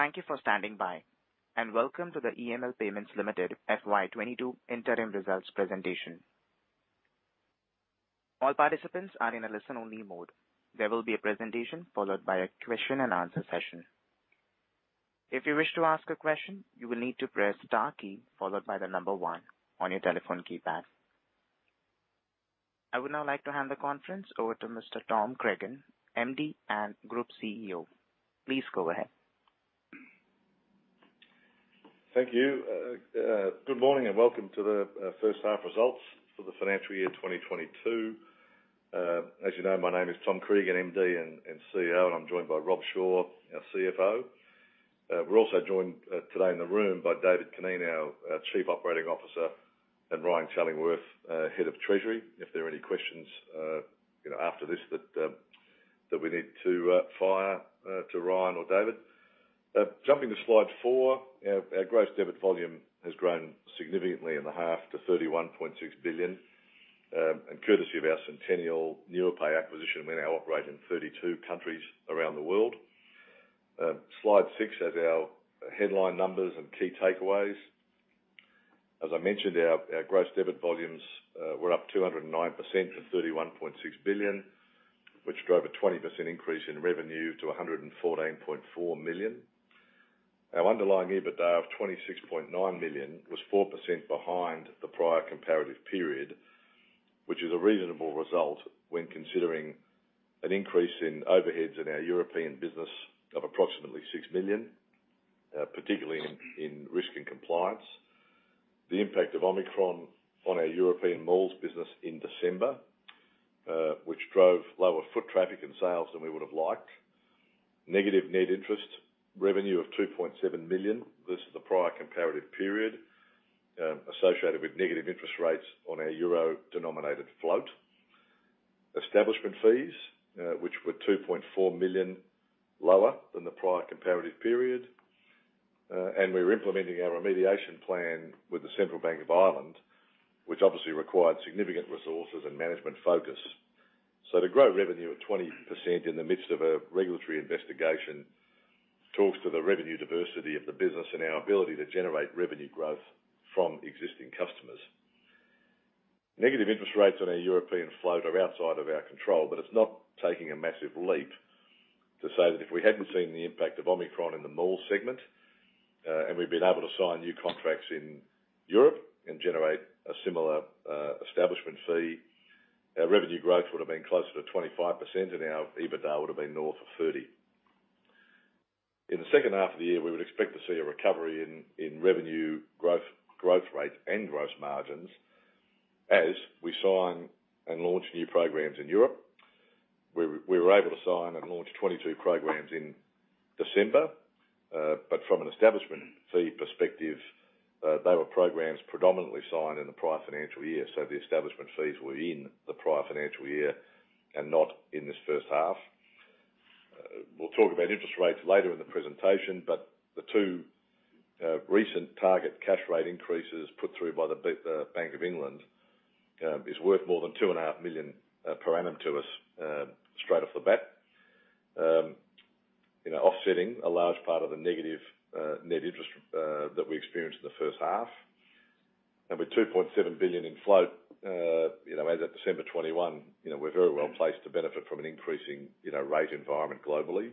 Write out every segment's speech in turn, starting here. Thank you for standing by, and welcome to the EML Payments Limited FY 2022 Interim Results Presentation. All participants are in a listen-only mode. There will be a presentation followed by a question and answer session. If you wish to ask a question, you will need to press star key followed by the number one on your telephone keypad. I would now like to hand the conference over to Mr. Tom Cregan, MD and Group CEO. Please go ahead. Thank you. Good morning and welcome to the first half results for the financial year 2022. As you know, my name is Tom Cregan, MD and Chief Executive Officer, and I'm joined by Rob Shore, our Chief Financial Officer. We're also joined today in the room by David Curneen, our Chief Operating Officer, and Ryan Challingsworth, Head of Treasury. If there are any questions, you know, after this that we need to fire to Ryan or David. Jumping to slide 4. Our gross debit volume has grown significantly in the half to 31.6 billion. Courtesy of our Sentenial Nuapay acquisition, we now operate in 32 countries around the world. Slide 6 of our headline numbers and key takeaways. As I mentioned, our gross debit volumes were up 209% to 31.6 billion, which drove a 20% increase in revenue to 114.4 million. Our underlying EBITDA of 26.9 million was 4% behind the prior comparative period. This is a reasonable result when considering an increase in overheads in our European business of approximately 6 million, particularly in risk and compliance, the impact of Omicron on our European malls business in December, which drove lower foot traffic and sales than we would have liked, negative net interest revenue of 2.7 million versus the prior comparative period associated with negative interest rates on our euro-denominated float, and establishment fees which were 2.4 million lower than the prior comparative period. We were implementing our remediation plan with the Central Bank of Ireland, which obviously required significant resources and management focus. To grow revenue of 20% in the midst of a regulatory investigation talks to the revenue diversity of the business and our ability to generate revenue growth from existing customers. Negative interest rates on our European float are outside of our control, but it's not taking a massive leap to say that if we hadn't seen the impact of Omicron in the malls segment, and we've been able to sign new contracts in Europe and generate a similar establishment fee, our revenue growth would have been closer to 25% and our EBITDA would have been north of 30%. In the second half of the year, we would expect to see a recovery in revenue growth rates and gross margins as we sign and launch new programs in Europe. We were able to sign and launch 22 programs in December. From an establishment fee perspective, they were programs predominantly signed in the prior financial year, so the establishment fees were in the prior financial year and not in this first half. We'll talk about interest rates later in the presentation. The 2 recent target cash rate increases put through by the Bank of England is worth more than 2.5 million per annum to us straight off the bat. You know, offsetting a large part of the negative net interest that we experienced in the first half. With 2.7 billion in float, you know, as at December 2021, you know, we're very well placed to benefit from an increasing, you know, rate environment globally.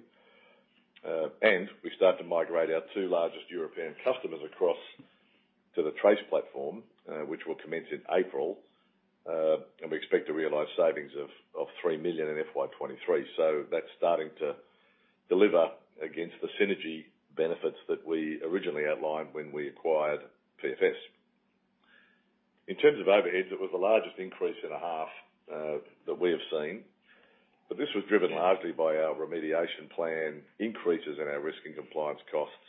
We start to migrate our two largest European customers across to the TRACE platform, which will commence in April. We expect to realize savings of 3 million in FY 2023. That's starting to deliver against the synergy benefits that we originally outlined when we acquired PFS. In terms of overheads, it was the largest increase in a half that we have seen. This was driven largely by our remediation plan, increases in our risk and compliance costs,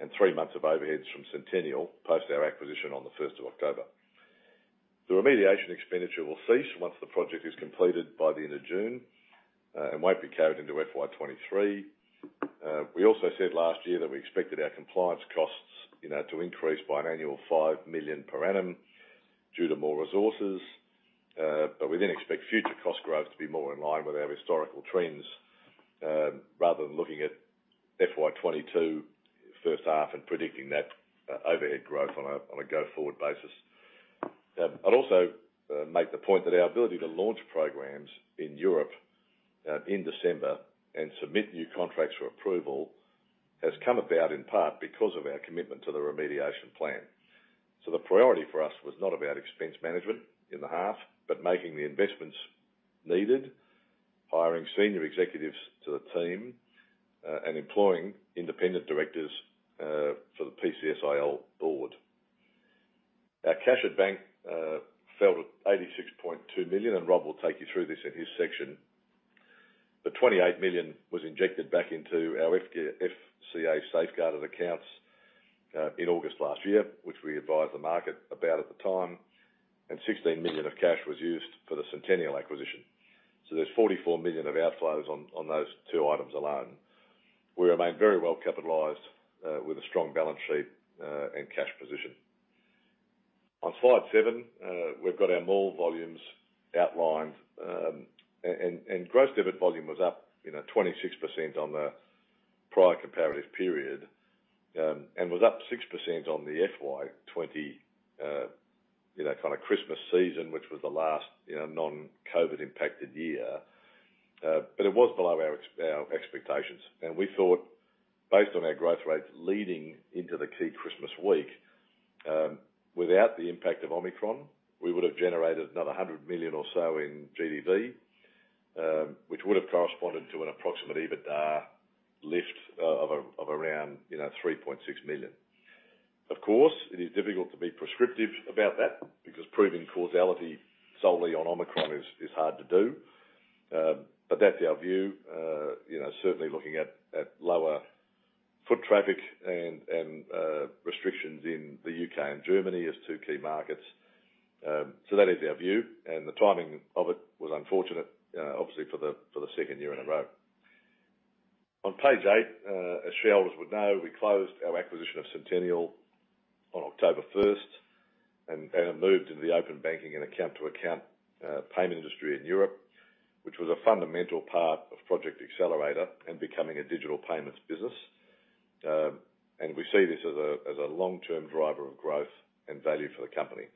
and 3 months of overheads from Sentenial post our acquisition on the first of October. The remediation expenditure will cease once the project is completed by the end of June and won't be carried into FY 2023. We also said last year that we expected our compliance costs, you know, to increase by an annual 5 million per annum due to more resources. We then expect future cost growth to be more in line with our historical trends, rather than looking at FY 2022 first half and predicting that overhead growth on a go-forward basis. I'd also make the point that our ability to launch programs in Europe in December and submit new contracts for approval has come about in part because of our commitment to the remediation plan. The priority for us was not about expense management in the half, but making the investments needed, hiring senior executives to the team, and employing independent directors for the PCSIL board. Our cash at bank fell to 86.2 million, and Rob will take you through this in his section. Twenty-eight million was injected back into our FCA safeguarded accounts in August last year, which we advised the market about at the time. Sixteen million of cash was used for the Sentenial acquisition. There's 44 million of outflows on those two items alone. We remain very well capitalized with a strong balance sheet and cash position. On slide seven, we've got our mall volumes outlined. Gross debit volume was up, you know, 26% on the prior comparative period, and was up 6% on the FY 2020, you know, kind of Christmas season, which was the last, you know, non-COVID impacted year. It was below our expectations. We thought, based on our growth rates leading into the key Christmas week, without the impact of Omicron, we would have generated another 100 million or so in GDV, which would have corresponded to an approximate EBITDA lift of around, you know, 3.6 million. Of course, it is difficult to be prescriptive about that because proving causality solely on Omicron is hard to do. That's our view, you know, certainly looking at lower foot traffic and restrictions in the U.K. and Germany as two key markets. That is our view, and the timing of it was unfortunate, obviously for the second year in a row. On page 8, as shareholders would know, we closed our acquisition of Sentenial on October first, and have moved into the Open Banking and account-to-account payment industry in Europe, which was a fundamental part of Project Accelerator and becoming a digital payments business. We see this as a long-term driver of growth and value for the company.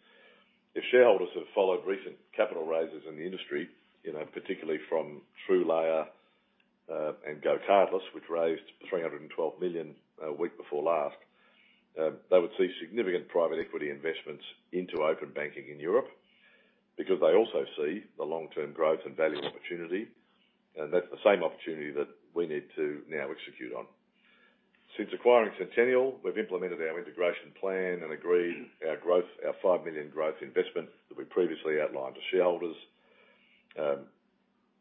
If shareholders have followed recent capital raises in the industry, you know, particularly from TrueLayer and GoCardless, which raised 312 million a week before last, they would see significant private equity investments into Open Banking in Europe because they also see the long-term growth and value opportunity, and that's the same opportunity that we need to now execute on. Since acquiring Sentenial, we've implemented our integration plan and agreed our 5 million growth investment that we previously outlined to shareholders.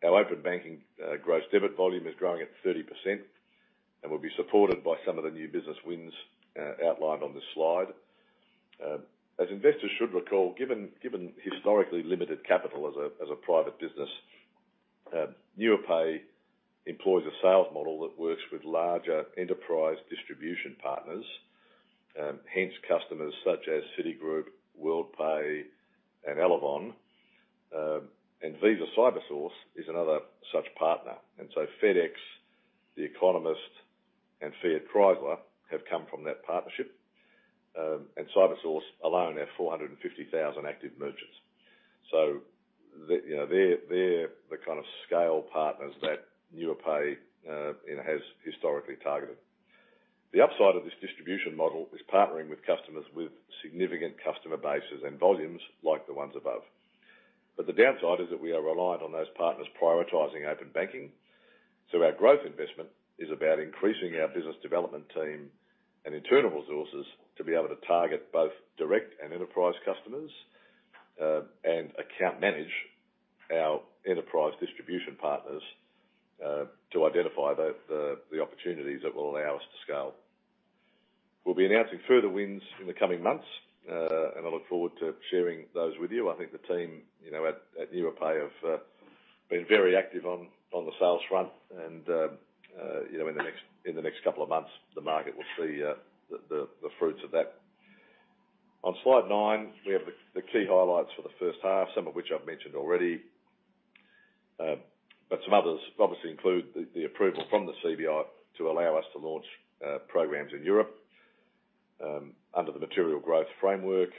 Our Open Banking gross debit volume is growing at 30% and will be supported by some of the new business wins outlined on this slide. As investors should recall, given historically limited capital as a private business, Nuapay employs a sales model that works with larger enterprise distribution partners, hence customers such as Citigroup, Worldpay and Elavon. Visa Cybersource is another such partner. FedEx, The Economist, and Fiat Chrysler have come from that partnership. Cybersource alone have 450,000 active merchants. You know, they're the kind of scale partners that Nuapay has historically targeted. The upside of this distribution model is partnering with customers with significant customer bases and volumes like the ones above. The downside is that we are reliant on those partners prioritizing Open Banking, so our growth investment is about increasing our business development team and internal resources to be able to target both direct and enterprise customers, and account manage our enterprise distribution partners, to identify the opportunities that will allow us to scale. We'll be announcing further wins in the coming months, and I look forward to sharing those with you. I think the team, you know, at Nuapay have been very active on the sales front and, you know, in the next couple of months, the market will see the fruits of that. On slide 9, we have the key highlights for the first half, some of which I've mentioned already. Some others obviously include the approval from the CBI to allow us to launch programs in Europe under the Material Growth Framework.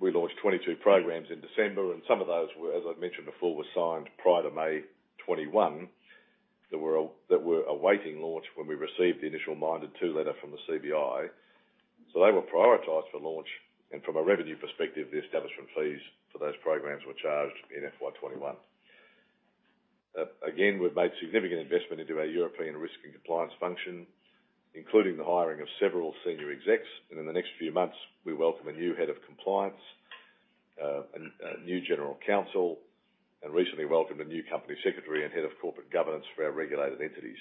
We launched 22 programs in December, and some of those were, as I've mentioned before, signed prior to May 2021 that were awaiting launch when we received the initial minded-to letter from the CBI. They were prioritized for launch, and from a revenue perspective, the establishment fees for those programs were charged in FY 2021. Again, we've made significant investment into our European risk and compliance function, including the hiring of several senior execs. In the next few months, we welcome a new head of compliance, a new general counsel, and recently welcomed a new company secretary and head of corporate governance for our regulated entities.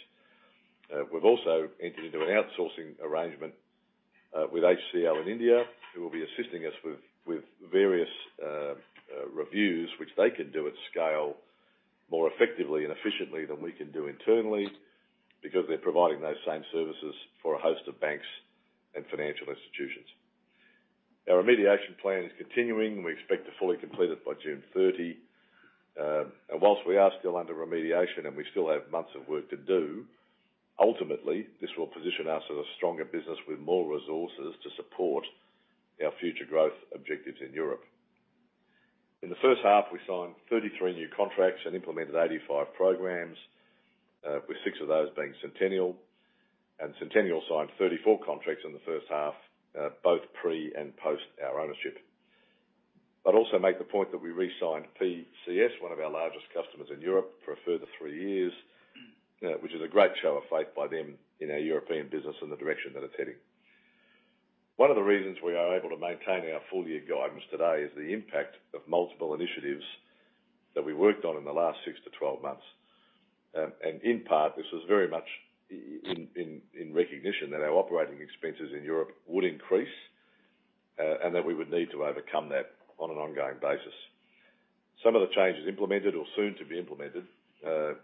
We've also entered into an outsourcing arrangement with HCL in India, who will be assisting us with various reviews which they can do at scale more effectively and efficiently than we can do internally, because they're providing those same services for a host of banks and financial institutions. Our remediation plan is continuing. We expect to fully complete it by June 30. While we are still under remediation and we still have months of work to do, ultimately, this will position us as a stronger business with more resources to support our future growth objectives in Europe. In the first half, we signed 33 new contracts and implemented 85 programs with six of those being Sentenial. Sentenial signed 34 contracts in the first half, both pre and post our ownership. I'd also make the point that we re-signed PCS, one of our largest customers in Europe, for a further three years, which is a great show of faith by them in our European business and the direction that it's heading. One of the reasons we are able to maintain our full year guidance today is the impact of multiple initiatives that we worked on in the last 6 to 12 months. In part, this was very much in recognition that our operating expenses in Europe would increase, and that we would need to overcome that on an ongoing basis. Some of the changes implemented or soon to be implemented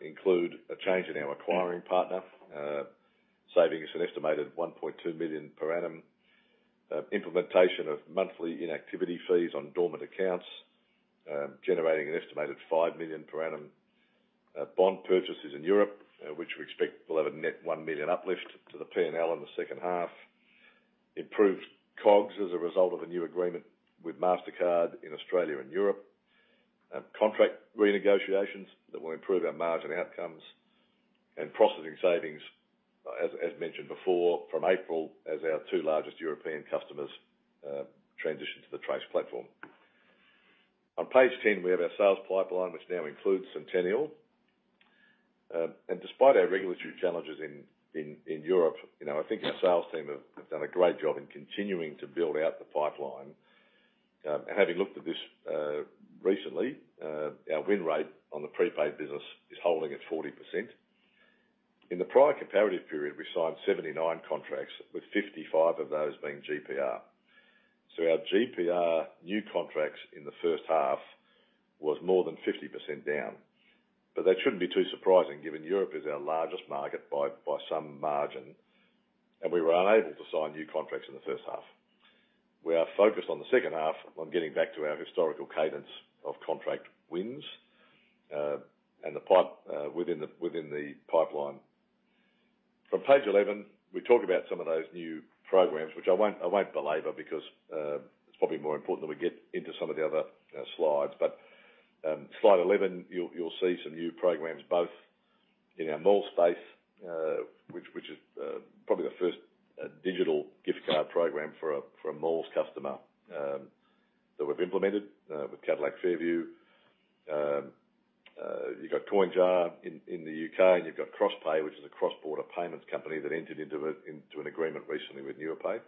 include a change in our acquiring partner, saving us an estimated 1.2 million per annum. Implementation of monthly inactivity fees on dormant accounts, generating an estimated 5 million per annum. Bond purchases in Europe, which we expect will have a net 1 million uplift to the P&L in the second half. Improved COGS as a result of a new agreement with Mastercard in Australia and Europe. Contract renegotiations that will improve our margin outcomes and processing savings, as mentioned before, from April as our two largest European customers transition to the TRACE platform. On page 10, we have our sales pipeline, which now includes Centtrip. Despite our regulatory challenges in Europe, you know, I think our sales team have done a great job in continuing to build out the pipeline. Having looked at this recently, our win rate on the prepaid business is holding at 40%. In the prior comparative period, we signed 79 contracts, with 55 of those being GPR. Our GPR new contracts in the first half was more than 50% down. That shouldn't be too surprising given Europe is our largest market by some margin, and we were unable to sign new contracts in the first half. We are focused on the second half on getting back to our historical cadence of contract wins, and the pipeline. From page 11, we talk about some of those new programs, which I won't belabor because it's probably more important that we get into some of the other slides. Slide 11, you'll see some new programs both in our mall space, which is probably the first digital gift card program for a malls customer that we've implemented with Cadillac Fairview. You've got CoinJar in the UK, and you've got CrossPay, which is a cross-border payments company that entered into an agreement recently with Nuapay.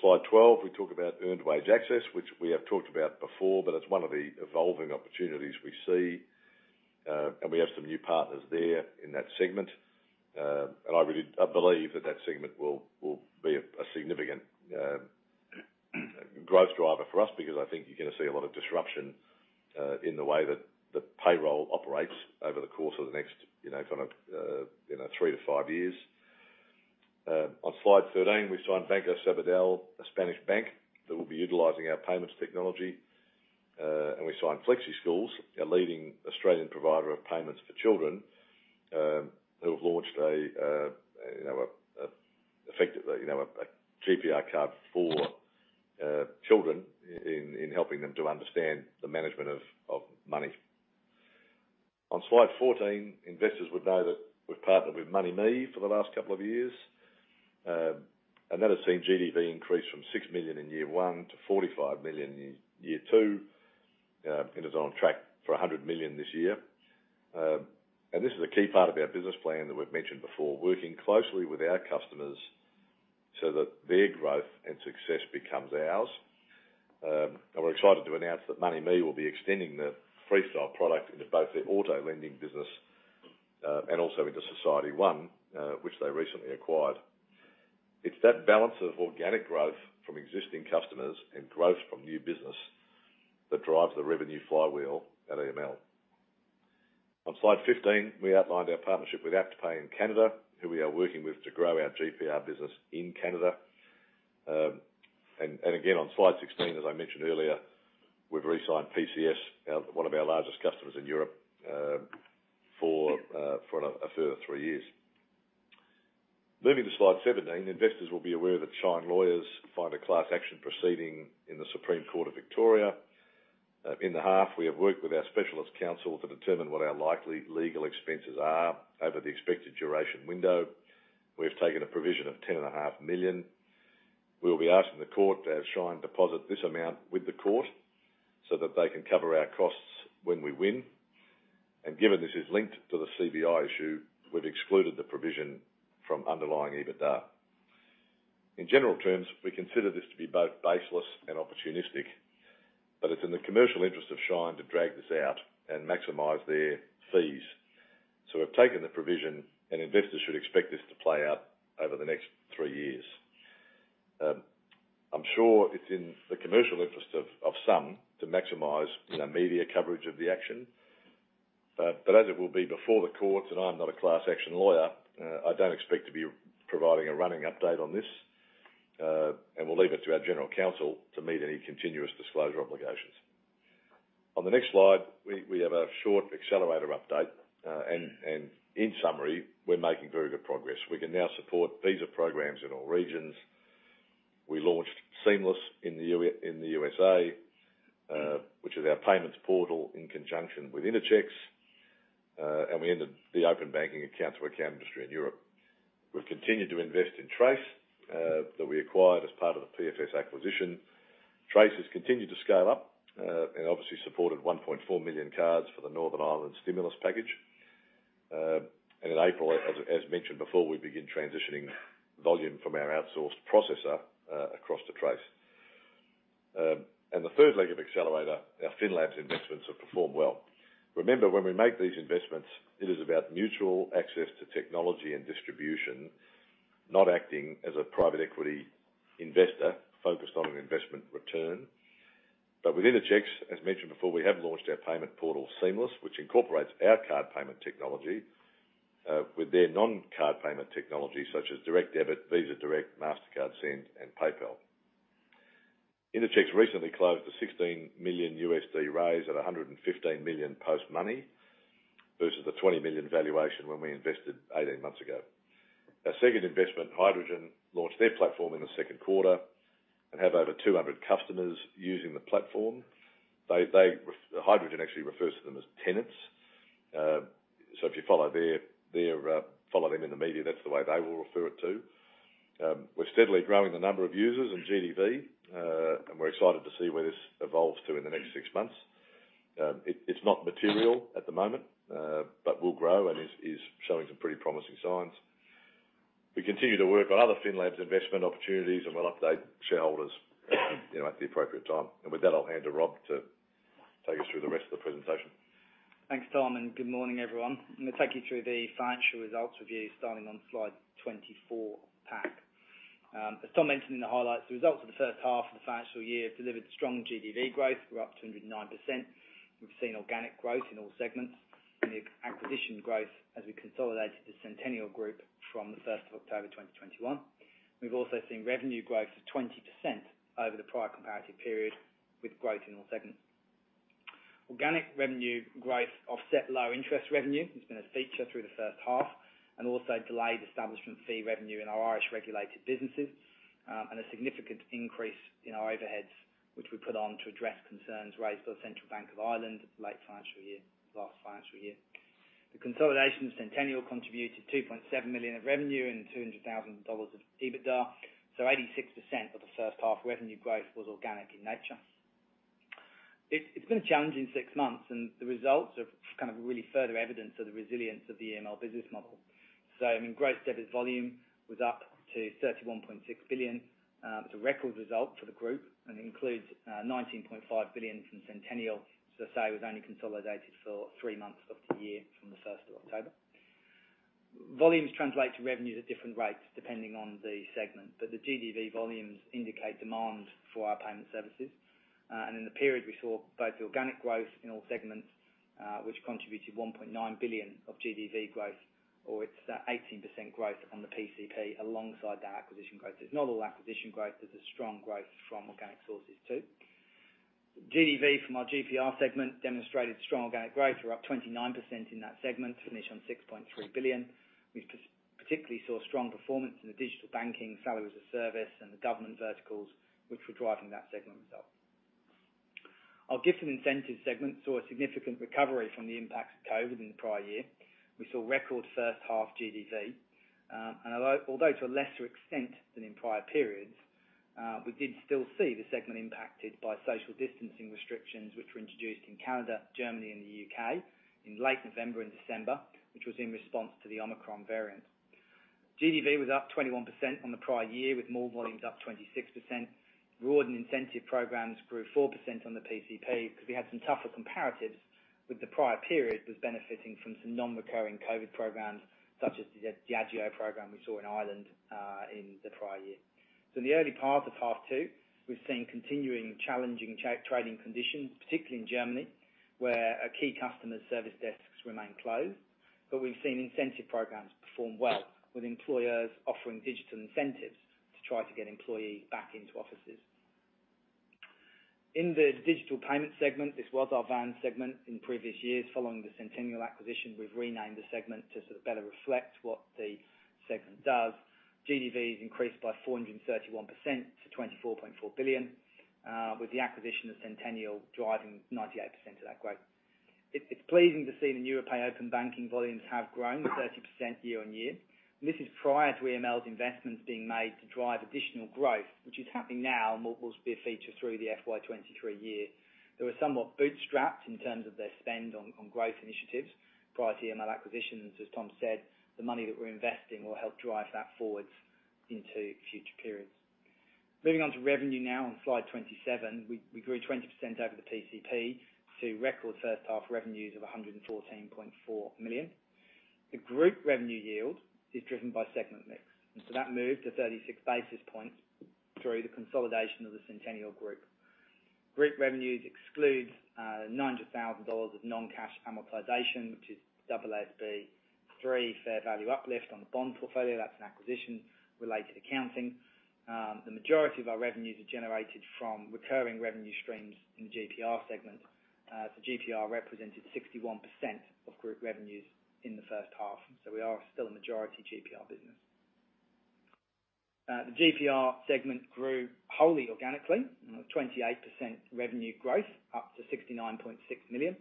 Slide 12, we talk about Earned Wage Access, which we have talked about before, but it's one of the evolving opportunities we see, and we have some new partners there in that segment. I really believe that segment will be a significant growth driver for us because I think you're gonna see a lot of disruption in the way that payroll operates over the course of the next, you know, kind of, you know, 3-5 years. On slide 13, we signed Banco Sabadell, a Spanish bank that will be utilizing our payments technology. We signed Flexischools, a leading Australian provider of payments for children, who have launched effectively a GPR card for children in helping them to understand the management of money. On slide 14, investors would know that we've partnered with MoneyMe for the last couple of years. That has seen GDV increase from 6 million in year one to 45 million in year two and is on track for 100 million this year. This is a key part of our business plan that we've mentioned before, working closely with our customers so that their growth and success becomes ours. We're excited to announce that MoneyMe will be extending the Freestyle product into both their auto lending business and also into SocietyOne, which they recently acquired. It's that balance of organic growth from existing customers and growth from new business that drives the revenue flywheel at EML. On slide 15, we outlined our partnership with AptPay in Canada, who we are working with to grow our GPR business in Canada. Again, on slide 16, as I mentioned earlier, we've re-signed PCS, one of our largest customers in Europe, for a further three years. Moving to slide 17, investors will be aware that Shine Lawyers filed a class action proceeding in the Supreme Court of Victoria. In the half, we have worked with our specialist counsel to determine what our likely legal expenses are over the expected duration window. We've taken a provision of 10 and a half million. We'll be asking the court to have Shine deposit this amount with the court so that they can cover our costs when we win. Given this is linked to the CBI issue, we've excluded the provision from underlying EBITDA. In general terms, we consider this to be both baseless and opportunistic, but it's in the commercial interest of Shine to drag this out and maximize their fees. We've taken the provision, and investors should expect this to play out over the next three years. I'm sure it's in the commercial interest of some to maximize, you know, media coverage of the action. But as it will be before the courts, and I'm not a class action lawyer, I don't expect to be providing a running update on this, and we'll leave it to our General Counsel to meet any continuous disclosure obligations. On the next slide, we have a short Accelerator update. In summary, we're making very good progress. We can now support Visa programs in all regions. We launched Seamless in the USA, which is our payments portal in conjunction with Interchecks. We entered the Open Banking account-to-account industry in Europe. We've continued to invest in TRACE that we acquired as part of the PFS acquisition. TRACE has continued to scale up and obviously supported 1.4 million cards for the Northern Ireland stimulus package. In April, as mentioned before, we begin transitioning volume from our outsourced processor across to TRACE. The third leg of accelerator, our Finlabs investments have performed well. Remember, when we make these investments, it is about mutual access to technology and distribution. Not acting as a private equity investor focused on an investment return. With Interchecks, as mentioned before, we have launched our payment portal, Seamless, which incorporates our card payment technology with their non-card payment technology such as direct debit, Visa Direct, Mastercard Send and PayPal. Interchecks recently closed a $16 million raise at a $115 million post-money, versus the $20 million valuation when we invested 18 months ago. Our second investment, Hydrogen, launched their platform in the second quarter and have over 200 customers using the platform. Hydrogen actually refers to them as tenants. So if you follow them in the media, that's the way they will refer it to. We're steadily growing the number of users in GDV, and we're excited to see where this evolves to in the next six months. It's not material at the moment, but will grow and is showing some pretty promising signs. We continue to work on other Finlabs' investment opportunities, and we'll update shareholders, you know, at the appropriate time. With that, I'll hand to Rob to take us through the rest of the presentation. Thanks, Tom, and good morning, everyone. I'm gonna take you through the financial results review starting on slide 24 of the pack. As Tom mentioned in the highlights, the results of the first half of the financial year delivered strong GDV growth. We're up 209%. We've seen organic growth in all segments, and the acquisition growth as we consolidated the Sentenial group from the first of October 2021. We've also seen revenue growth of 20% over the prior comparative period, with growth in all segments. Organic revenue growth offset low interest revenue. It's been a feature through the first half, and also delayed establishment fee revenue in our Irish regulated businesses, and a significant increase in our overheads, which we put on to address concerns raised by the Central Bank of Ireland late financial year, last financial year. The consolidation of Sentenial contributed 2.7 million of revenue and 200,000 dollars of EBITDA, so 86% of the first half revenue growth was organic in nature. It's been a challenging six months, and the results are kind of really further evidence of the resilience of the EML business model. I mean, gross debit volume was up to 31.6 billion. It's a record result for the group, and it includes nineteen point five billion from Sentenial. As I say, it was only consolidated for three months of the year, from the first of October. Volumes translate to revenues at different rates depending on the segment, but the GDV volumes indicate demand for our payment services. In the period, we saw both organic growth in all segments, which contributed 1.9 billion of GDV growth, or it's 80% growth on the PCP alongside that acquisition growth. It's not all acquisition growth, there's a strong growth from organic sources too. GDV from our GPR segment demonstrated strong organic growth. We're up 29% in that segment, finished on 6.3 billion. We particularly saw strong performance in the digital banking Salary as a Service and the government verticals which were driving that segment result. Our Gifts and Incentives segment saw a significant recovery from the impacts of COVID in the prior year. We saw record first half GDV. Although to a lesser extent than in prior periods, we did still see the segment impacted by social distancing restrictions which were introduced in Canada, Germany and the U.K. in late November and December, which was in response to the Omicron variant. GDV was up 21% on the prior year, with mall volumes up 26%. Reward and incentive programs grew 4% on the PCP because we had some tougher comparatives with the prior period that was benefiting from some non-recurring COVID programs, such as the Diageo program we saw in Ireland, in the prior year. In the early part of half two, we've seen continuing challenging trading conditions, particularly in Germany, where a key customer's service desks remain closed. We've seen incentive programs perform well with employers offering digital incentives to try to get employees back into offices. In the digital payment segment, this was our VANS segment in previous years. Following the Sentenial acquisition, we've renamed the segment to sort of better reflect what the segment does. GDV increased by 431% to 24.4 billion with the acquisition of Sentenial driving 98% of that growth. It's pleasing to see the new European Open Banking volumes have grown by 30% year-on-year. This is prior to EML's investments being made to drive additional growth, which is happening now and will be a feature through the FY 2023 year. They were somewhat bootstrapped in terms of their spend on growth initiatives. Prior to EML acquisitions, as Tom said, the money that we're investing will help drive that forward into future periods. Moving on to revenue now on slide 27. We grew 20% over the PCP to record first half revenues of 114.4 million. The group revenue yield is driven by segment mix, and so that moved to 36 basis points through the consolidation of the Sentenial group. Group revenues exclude nine hundred thousand dollars of non-cash amortization, which is AASB 3 fair value uplift on the bond portfolio. That's an acquisition related accounting. The majority of our revenues are generated from recurring revenue streams in the GPR segment. So GPR represented 61% of group revenues in the first half, so we are still a majority GPR business. The GPR segment grew wholly organically, with 28% revenue growth up to 69.6 million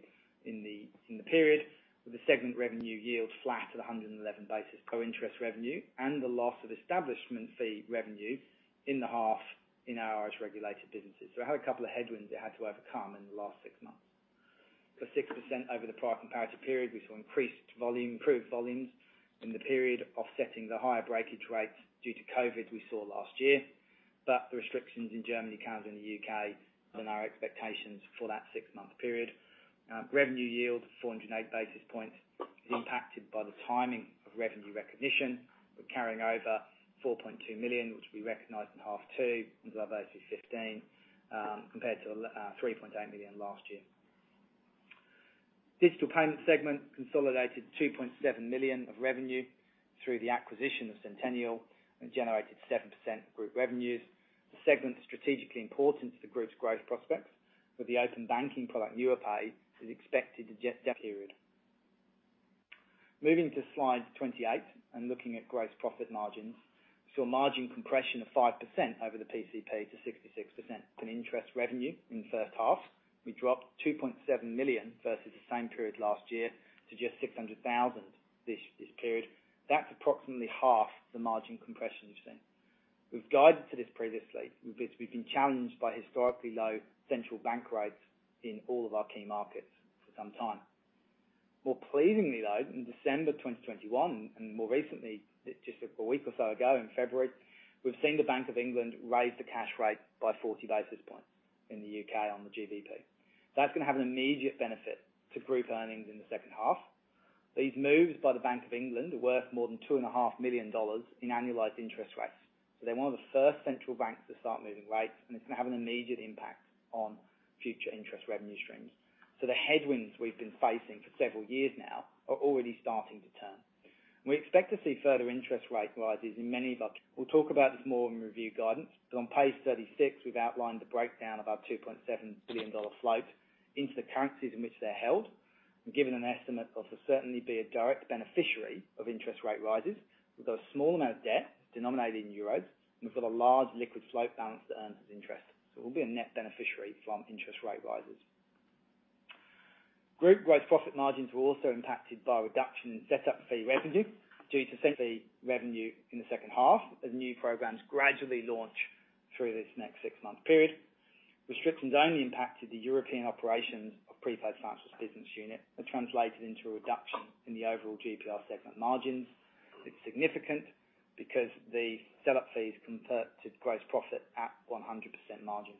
in the period, with the segment revenue yield flat at 111 basis points on interest revenue and the loss of establishment fee revenue in the half in our Irish regulated businesses. We had a couple of headwinds it had to overcome in the last 6 months. It grew 6% over the prior comparative period. We saw increased volume, improved volumes in the period offsetting the higher breakage rates due to COVID we saw last year. The restrictions in Germany, Canada, and the U.K. on our expectations for that 6-month period. Revenue yield of 408 basis points is impacted by the timing of revenue recognition. We're carrying over 4.2 million, which will be recognized in half two as opposed to 15, compared to 3.8 million last year. Digital payments segment consolidated 2.7 million of revenue through the acquisition of Sentenial and generated 7% group revenues. The segment's strategically important to the group's growth prospects, with the Open Banking product Nuapay is expected to period. Moving to slide 28, looking at gross profit margins. Saw margin compression of 5% over the PCP to 66% on interest revenue in the first half. We dropped 2.7 million versus the same period last year to just 600,000 this period. That's approximately half the margin compression you've seen. We've guided to this previously. We've been challenged by historically low central bank rates in all of our key markets for some time. More pleasingly though, in December 2021, and more recently, just a week or so ago in February, we've seen the Bank of England raise the cash rate by 40 basis points in the U.K. on the GBP. That's gonna have an immediate benefit to group earnings in the second half. These moves by the Bank of England are worth more than 2.5 million dollars in annualized interest rates. They're one of the first central banks to start moving rates, and it's gonna have an immediate impact on future interest revenue streams. The headwinds we've been facing for several years now are already starting to turn. We expect to see further interest rate rises in many of our... We'll talk about this more in revenue guidance, but on page 36, we've outlined the breakdown of our 2.7 billion dollar float into the currencies in which they're held, and given an estimate of how we'll certainly be a direct beneficiary of interest rate rises. We've got a small amount of debt denominated in euros, and we've got a large liquid float balance that earns us interest. We'll be a net beneficiary from interest rate rises. Group gross profit margins were also impacted by a reduction in setup fee revenue due to spend fee revenue in the second half as new programs gradually launch through this next six-month period. Restrictions only impacted the European operations of Prepaid Financial Services' business unit that translated into a reduction in the overall GPR segment margins. It's significant because the setup fees convert to gross profit at 100% margin.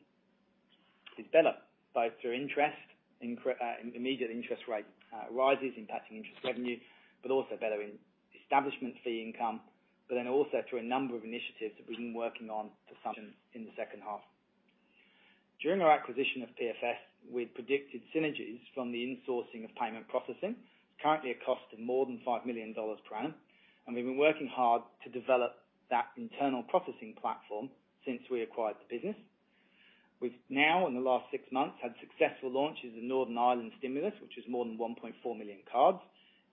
It's better both through interest, immediate interest rate rises impacting interest revenue, but also better in establishment fee income, but then also through a number of initiatives that we've been working on to some in the second half. During our acquisition of PFS, we'd predicted synergies from the insourcing of payment processing. It's currently a cost of more than 5 million dollars per annum, and we've been working hard to develop that internal processing platform since we acquired the business. We've now, in the last six months, had successful launches in Northern Ireland Stimulus, which is more than 1.4 million cards,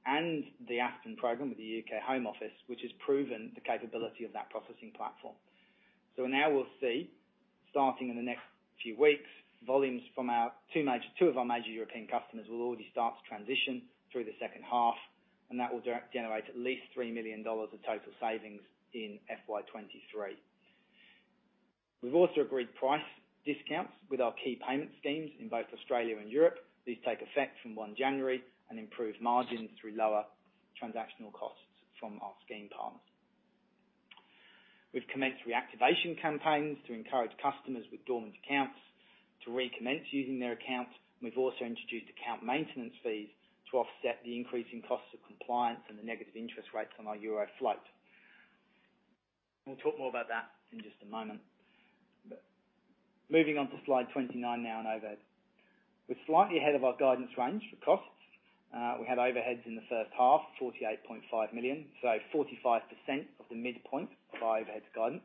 and the Aspen program with the U.K. Home Office, which has proven the capability of that processing platform. Now we'll see, starting in the next few weeks, volumes from our two major- Two of our major European customers will already start to transition through the second half, and that will generate at least 3 million dollars of total savings in FY 2023. We've also agreed price discounts with our key payment schemes in both Australia and Europe. These take effect from 1 January and improve margins through lower transactional costs from our scheme partners. We've commenced reactivation campaigns to encourage customers with dormant accounts to recommence using their accounts. We've also introduced account maintenance fees to offset the increasing costs of compliance and the negative interest rates on our euro float. We'll talk more about that in just a moment. Moving on to slide 29 now on overhead. We're slightly ahead of our guidance range for costs. We had overheads in the first half, 48.5 million. So 45% of the midpoint of our overheads guidance.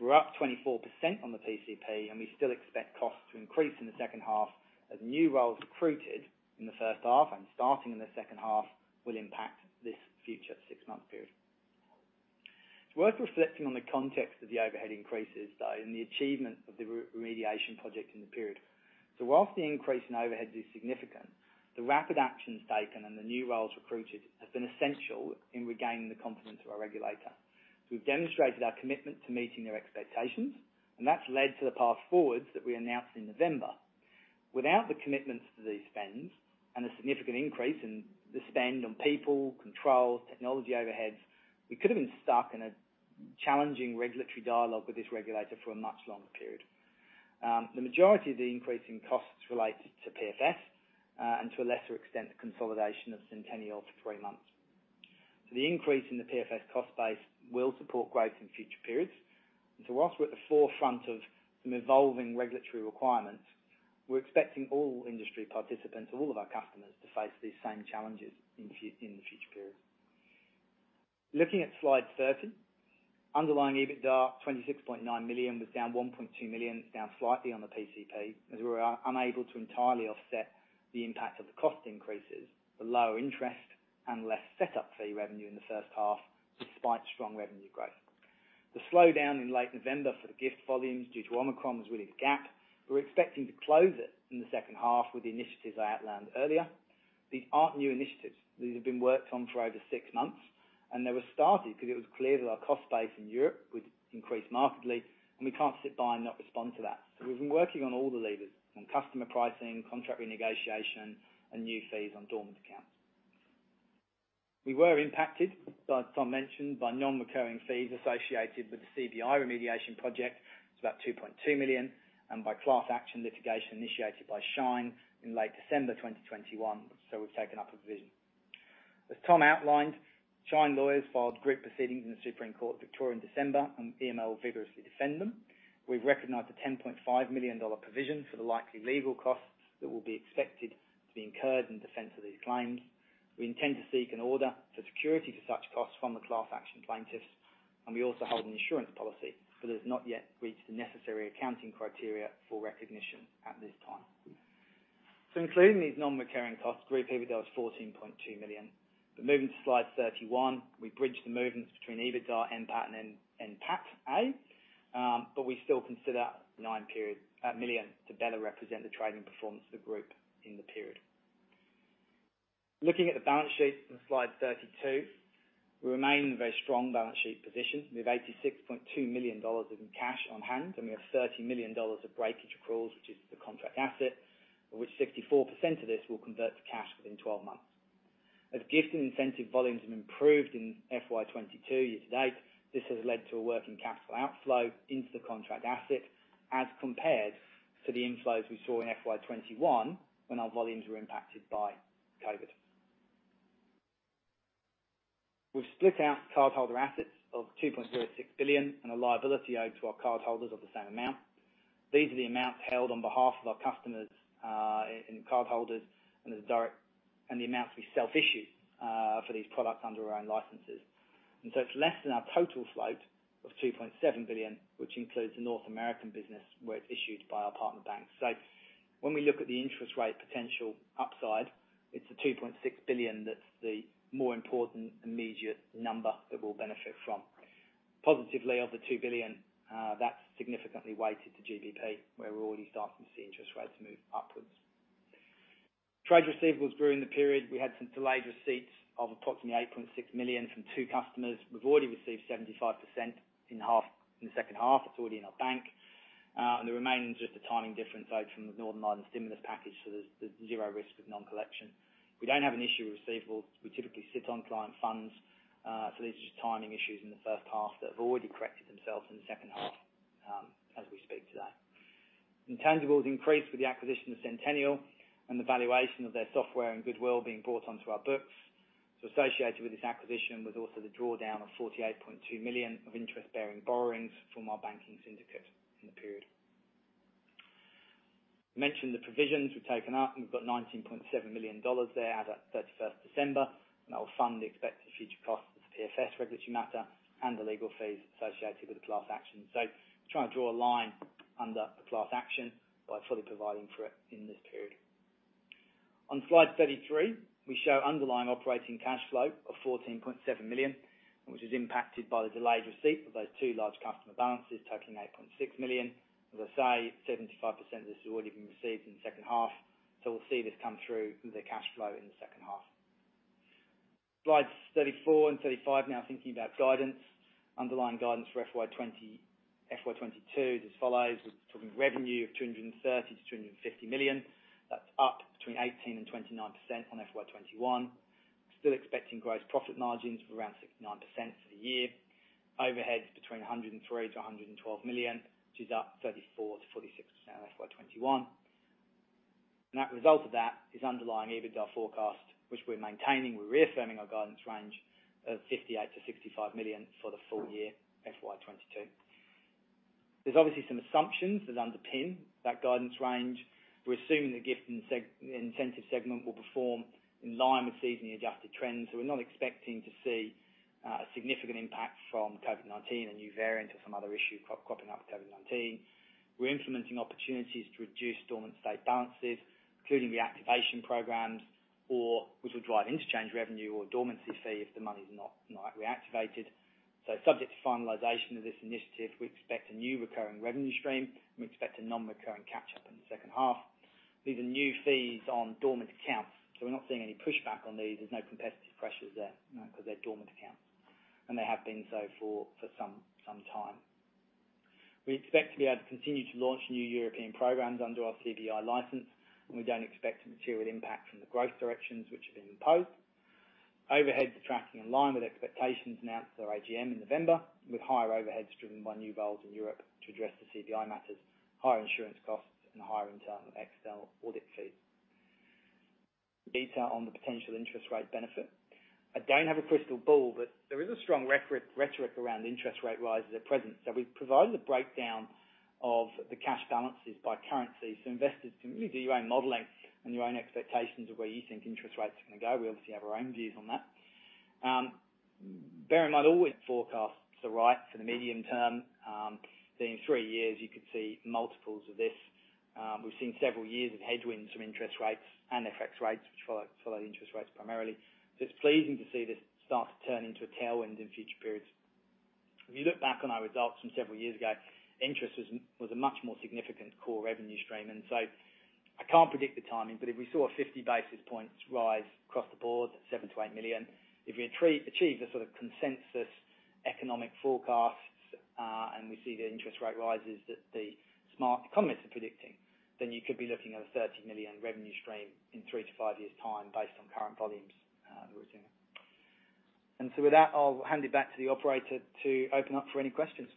We're up 24% on the PCP, and we still expect costs to increase in the second half as new roles recruited in the first half and starting in the second half will impact this future six-month period. It's worth reflecting on the context of the overhead increases, though, in the achievement of the remediation project in the period. While the increase in overheads is significant, the rapid actions taken and the new roles recruited have been essential in regaining the confidence of our regulator. We've demonstrated our commitment to meeting their expectations, and that's led to the path forwards that we announced in November. Without the commitments to these spends and a significant increase in the spend on people, controls, technology overheads, we could have been stuck in a challenging regulatory dialogue with this regulator for a much longer period. The majority of the increase in costs related to PFS, and to a lesser extent, the consolidation of Sentenial to three months. The increase in the PFS cost base will support growth in future periods. While we're at the forefront of some evolving regulatory requirements, we're expecting all industry participants, all of our customers, to face these same challenges in the future periods. Looking at slide 30, underlying EBITDA at 26.9 million was down 1.2 million, down slightly on the PCP, as we were unable to entirely offset the impact of the cost increases from lower interest and less setup fee revenue in the first half despite strong revenue growth. The slowdown in late November for the gift volumes due to Omicron was really the gap. We're expecting to close it in the second half with the initiatives I outlined earlier. These aren't new initiatives. These have been worked on for over six months, and they were started because it was clear that our cost base in Europe would increase markedly, and we can't sit by and not respond to that. We've been working on all the levers, on customer pricing, contract renegotiation, and new fees on dormant accounts. We were impacted, as Tom mentioned, by non-recurring fees associated with the CBI remediation project. It's about 2.2 million, and by class action litigation initiated by Shine in late December 2021, so we've taken up a provision. As Tom outlined, Shine Lawyers filed group proceedings in the Supreme Court of Victoria in December, and EML vigorously defend them. We've recognized an 10.5 million dollar provision for the likely legal costs that will be expected to be incurred in defense of these claims. We intend to seek an order for security for such costs from the class action plaintiffs, and we also hold an insurance policy, but it has not yet reached the necessary accounting criteria for recognition at this time. Including these non-recurring costs, group EBITDA was 14.2 million. Moving to slide 31, we bridge the movements between EBITDA, NPAT, and NPATA, but we still consider 9 million to better represent the trading performance of the group in the period. Looking at the balance sheet on slide 32, we remain in a very strong balance sheet position. We have 86.2 million dollars in cash on hand, and we have 30 million dollars of breakage accruals, which is the contract asset, of which 64% of this will convert to cash within 12 months. As gift and incentive volumes have improved in FY 2022 year to date, this has led to a working capital outflow into the contract asset as compared to the inflows we saw in FY 2021 when our volumes were impacted by COVID. We've split out cardholder assets of 2.06 billion and a liability owed to our cardholders of the same amount. These are the amounts held on behalf of our customers and cardholders, and the amounts we self-issue for these products under our own licenses. It's less than our total float of 2.7 billion, which includes the North American business where it's issued by our partner banks. When we look at the interest rate potential upside, it's the 2.6 billion that's the more important immediate number that we'll benefit from. Of the 2 billion, that's significantly weighted to GBP, where we're already starting to see interest rates move upwards. Trade receivables grew in the period. We had some delayed receipts of approximately 8.6 million from two customers. We've already received 75% in the half, in the second half. It's already in our bank. The remaining is just a timing difference owed from the Northern Ireland stimulus package, so there's zero risk of non-collection. We don't have an issue with receivables. We typically sit on client funds, so these are just timing issues in the first half that have already corrected themselves in the second half, as we speak today. Intangibles increased with the acquisition of Sentenial and the valuation of their software and goodwill being brought onto our books. Associated with this acquisition was also the drawdown of 48.2 million of interest-bearing borrowings from our banking syndicate in the period. Mentioned the provisions we've taken up, and we've got 19.7 million dollars there as at 31 December, and that will fund the expected future costs of the PFS regulatory matter and the legal fees associated with the class action. Trying to draw a line under the class action by fully providing for it in this period. On slide 33, we show underlying operating cash flow of 14.7 million, and which is impacted by the delayed receipt of those two large customer balances totaling 8.6 million. As I say, 75% of this has already been received in the second half, so we'll see this come through the cash flow in the second half. Slides 34 and 35, now thinking about guidance. Underlying guidance for FY 2022 is as follows. We're talking revenue of 230 million-AUD250 million. That's up between 18%-29% on FY 2021. Still expecting gross profit margins of around 69% for the year. Overheads between 103 million-112 million, which is up 34%-46% on FY 2021. Net result of that is underlying EBITDA forecast, which we're maintaining. We're reaffirming our guidance range of 58 million-65 million for the full year, FY 2022. There's obviously some assumptions that underpin that guidance range. We're assuming the gift and incentive segment will perform in line with seasonally adjusted trends. We're not expecting to see a significant impact from COVID-19, a new variant or some other issue cropping up with COVID-19. We're implementing opportunities to reduce dormant state balances, including reactivation programs or which will drive interchange revenue or a dormancy fee if the money's not reactivated. Subject to finalization of this initiative, we expect a new recurring revenue stream, and we expect a non-recurring catch-up in the second half. These are new fees on dormant accounts, so we're not seeing any pushback on these. There's no competitive pressures there, you know, 'cause they're dormant accounts. They have been so for some time. We expect to be able to continue to launch new European programs under our CBI license, and we don't expect a material impact from the growth directions which have been imposed. Overheads are tracking in line with expectations announced at our AGM in November, with higher overheads driven by new roles in Europe to address the CBI matters, higher insurance costs and higher internal external audit fees. Detail on the potential interest rate benefit. I don't have a crystal ball, but there is a strong rhetoric around interest rate rises at present. We've provided a breakdown of the cash balances by currency, so investors can really do your own modeling and your own expectations of where you think interest rates are gonna go. We obviously have our own views on that. Bear in mind, always forecast to the right for the medium term. Say, in 3 years you could see multiples of this. We've seen several years of headwinds from interest rates and FX rates, which follow the interest rates primarily. It's pleasing to see this start to turn into a tailwind in future periods. If you look back on our results from several years ago, interest was a much more significant core revenue stream. I can't predict the timing, but if we saw a 50 basis points rise across the board, 7 million-8 million, if we achieved a sort of consensus economic forecast, and we see the interest rate rises that the smart economists are predicting. Then you could be looking at a 30 million revenue stream in 3-5 years' time based on current volumes that we're doing. With that, I'll hand it back to the operator to open up for any questions.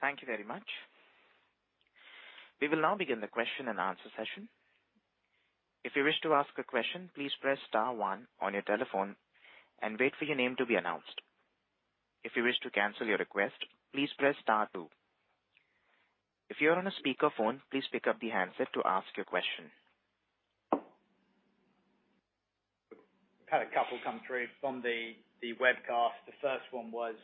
Thank you very much. We will now begin the question-and-answer session. If you wish to ask a question, please press star one on your telephone and wait for your name to be announced. If you wish to cancel your request, please press star two. If you're on a speakerphone, please pick up the handset to ask your question. Had a couple come through from the webcast. The first one was,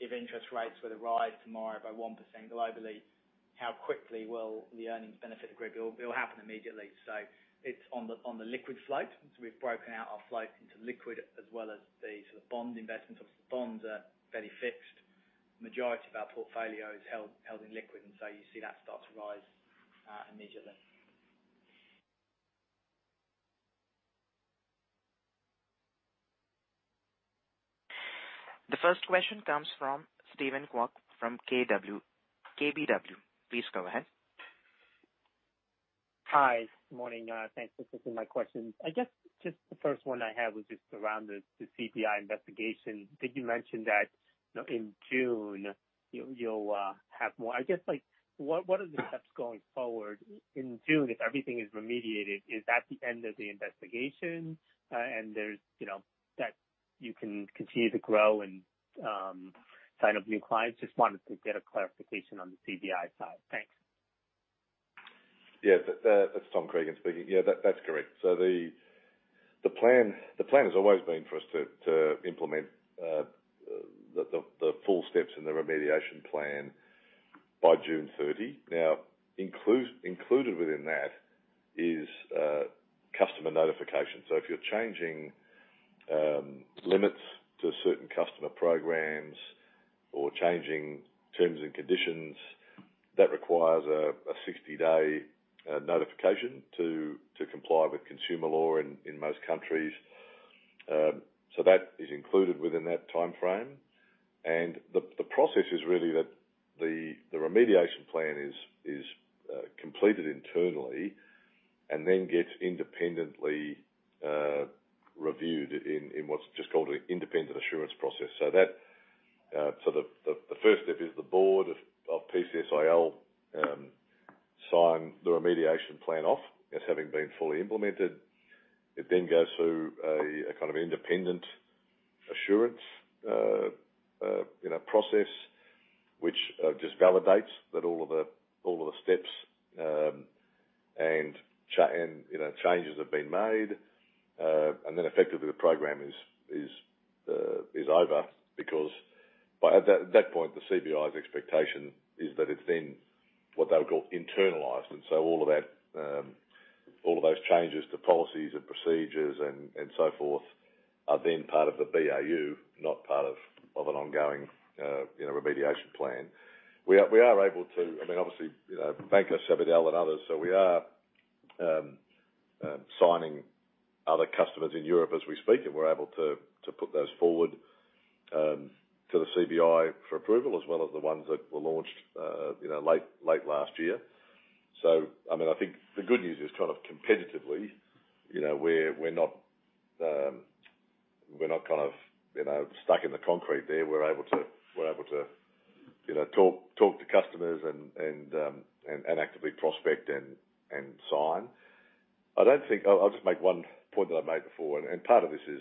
if interest rates were to rise tomorrow by 1% globally, how quickly will the earnings benefit the group? It'll happen immediately. It's on the liquid float. We've broken out our float into liquid as well as the sort of bond investments. Obviously, the bonds are very fixed. Majority of our portfolio is held in liquid, and you see that start to rise immediately. The first question comes from Steven Kwok from KBW. Please go ahead. Hi. Good morning. Thanks for taking my question. I guess, just the first one I have was just around the CBI investigation. Did you mention that, you know, in June you'll have more? I guess, like, what are the steps going forward in June if everything is remediated? Is that the end of the investigation, and there's, you know, that you can continue to grow and sign up new clients? Just wanted to get a clarification on the CBI side. Thanks. Yeah. That's Tom Cregan speaking. Yeah, that's correct. The plan has always been for us to implement the full steps in the remediation plan by June 30. Included within that is customer notification. If you're changing limits to certain customer programs or changing terms and conditions, that requires a 60-day notification to comply with consumer law in most countries. That is included within that timeframe. The process is really that the remediation plan is completed internally and then gets independently reviewed in what's just called an independent assurance process. The first step is the board of PCSIL sign the remediation plan off as having been fully implemented. It then goes through a kind of independent assurance, you know, process, which just validates that all of the steps and changes have been made. Effectively the program is over because by that point, the CBI's expectation is that it's then what they would call internalized. All of that, all of those changes to policies and procedures and so forth are then part of the BAU, not part of an ongoing, you know, remediation plan. We are able to, I mean, obviously, you know, Banco Sabadell and others, so we are signing other customers in Europe as we speak, and we're able to put those forward to the CBI for approval, as well as the ones that were launched late last year. I mean, I think the good news is kind of competitively, you know, we're not kind of stuck in the concrete there. We're able to talk to customers and actively prospect and sign. I don't think. I'll just make one point that I made before, and part of this is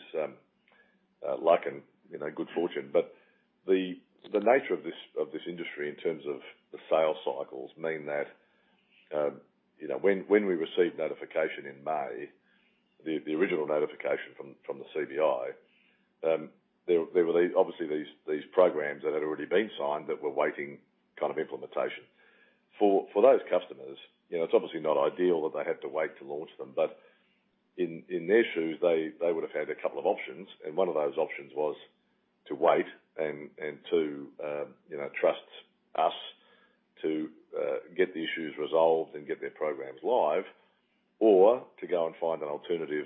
luck and good fortune. The nature of this industry in terms of the sales cycles mean that, you know, when we received notification in May, the original notification from the CBI, there were these, obviously, these programs that had already been signed that were waiting kind of implementation. For those customers, you know, it's obviously not ideal that they had to wait to launch them. In their shoes, they would've had a couple of options. One of those options was to wait and to, you know, trust us to get the issues resolved and get their programs live or to go and find an alternative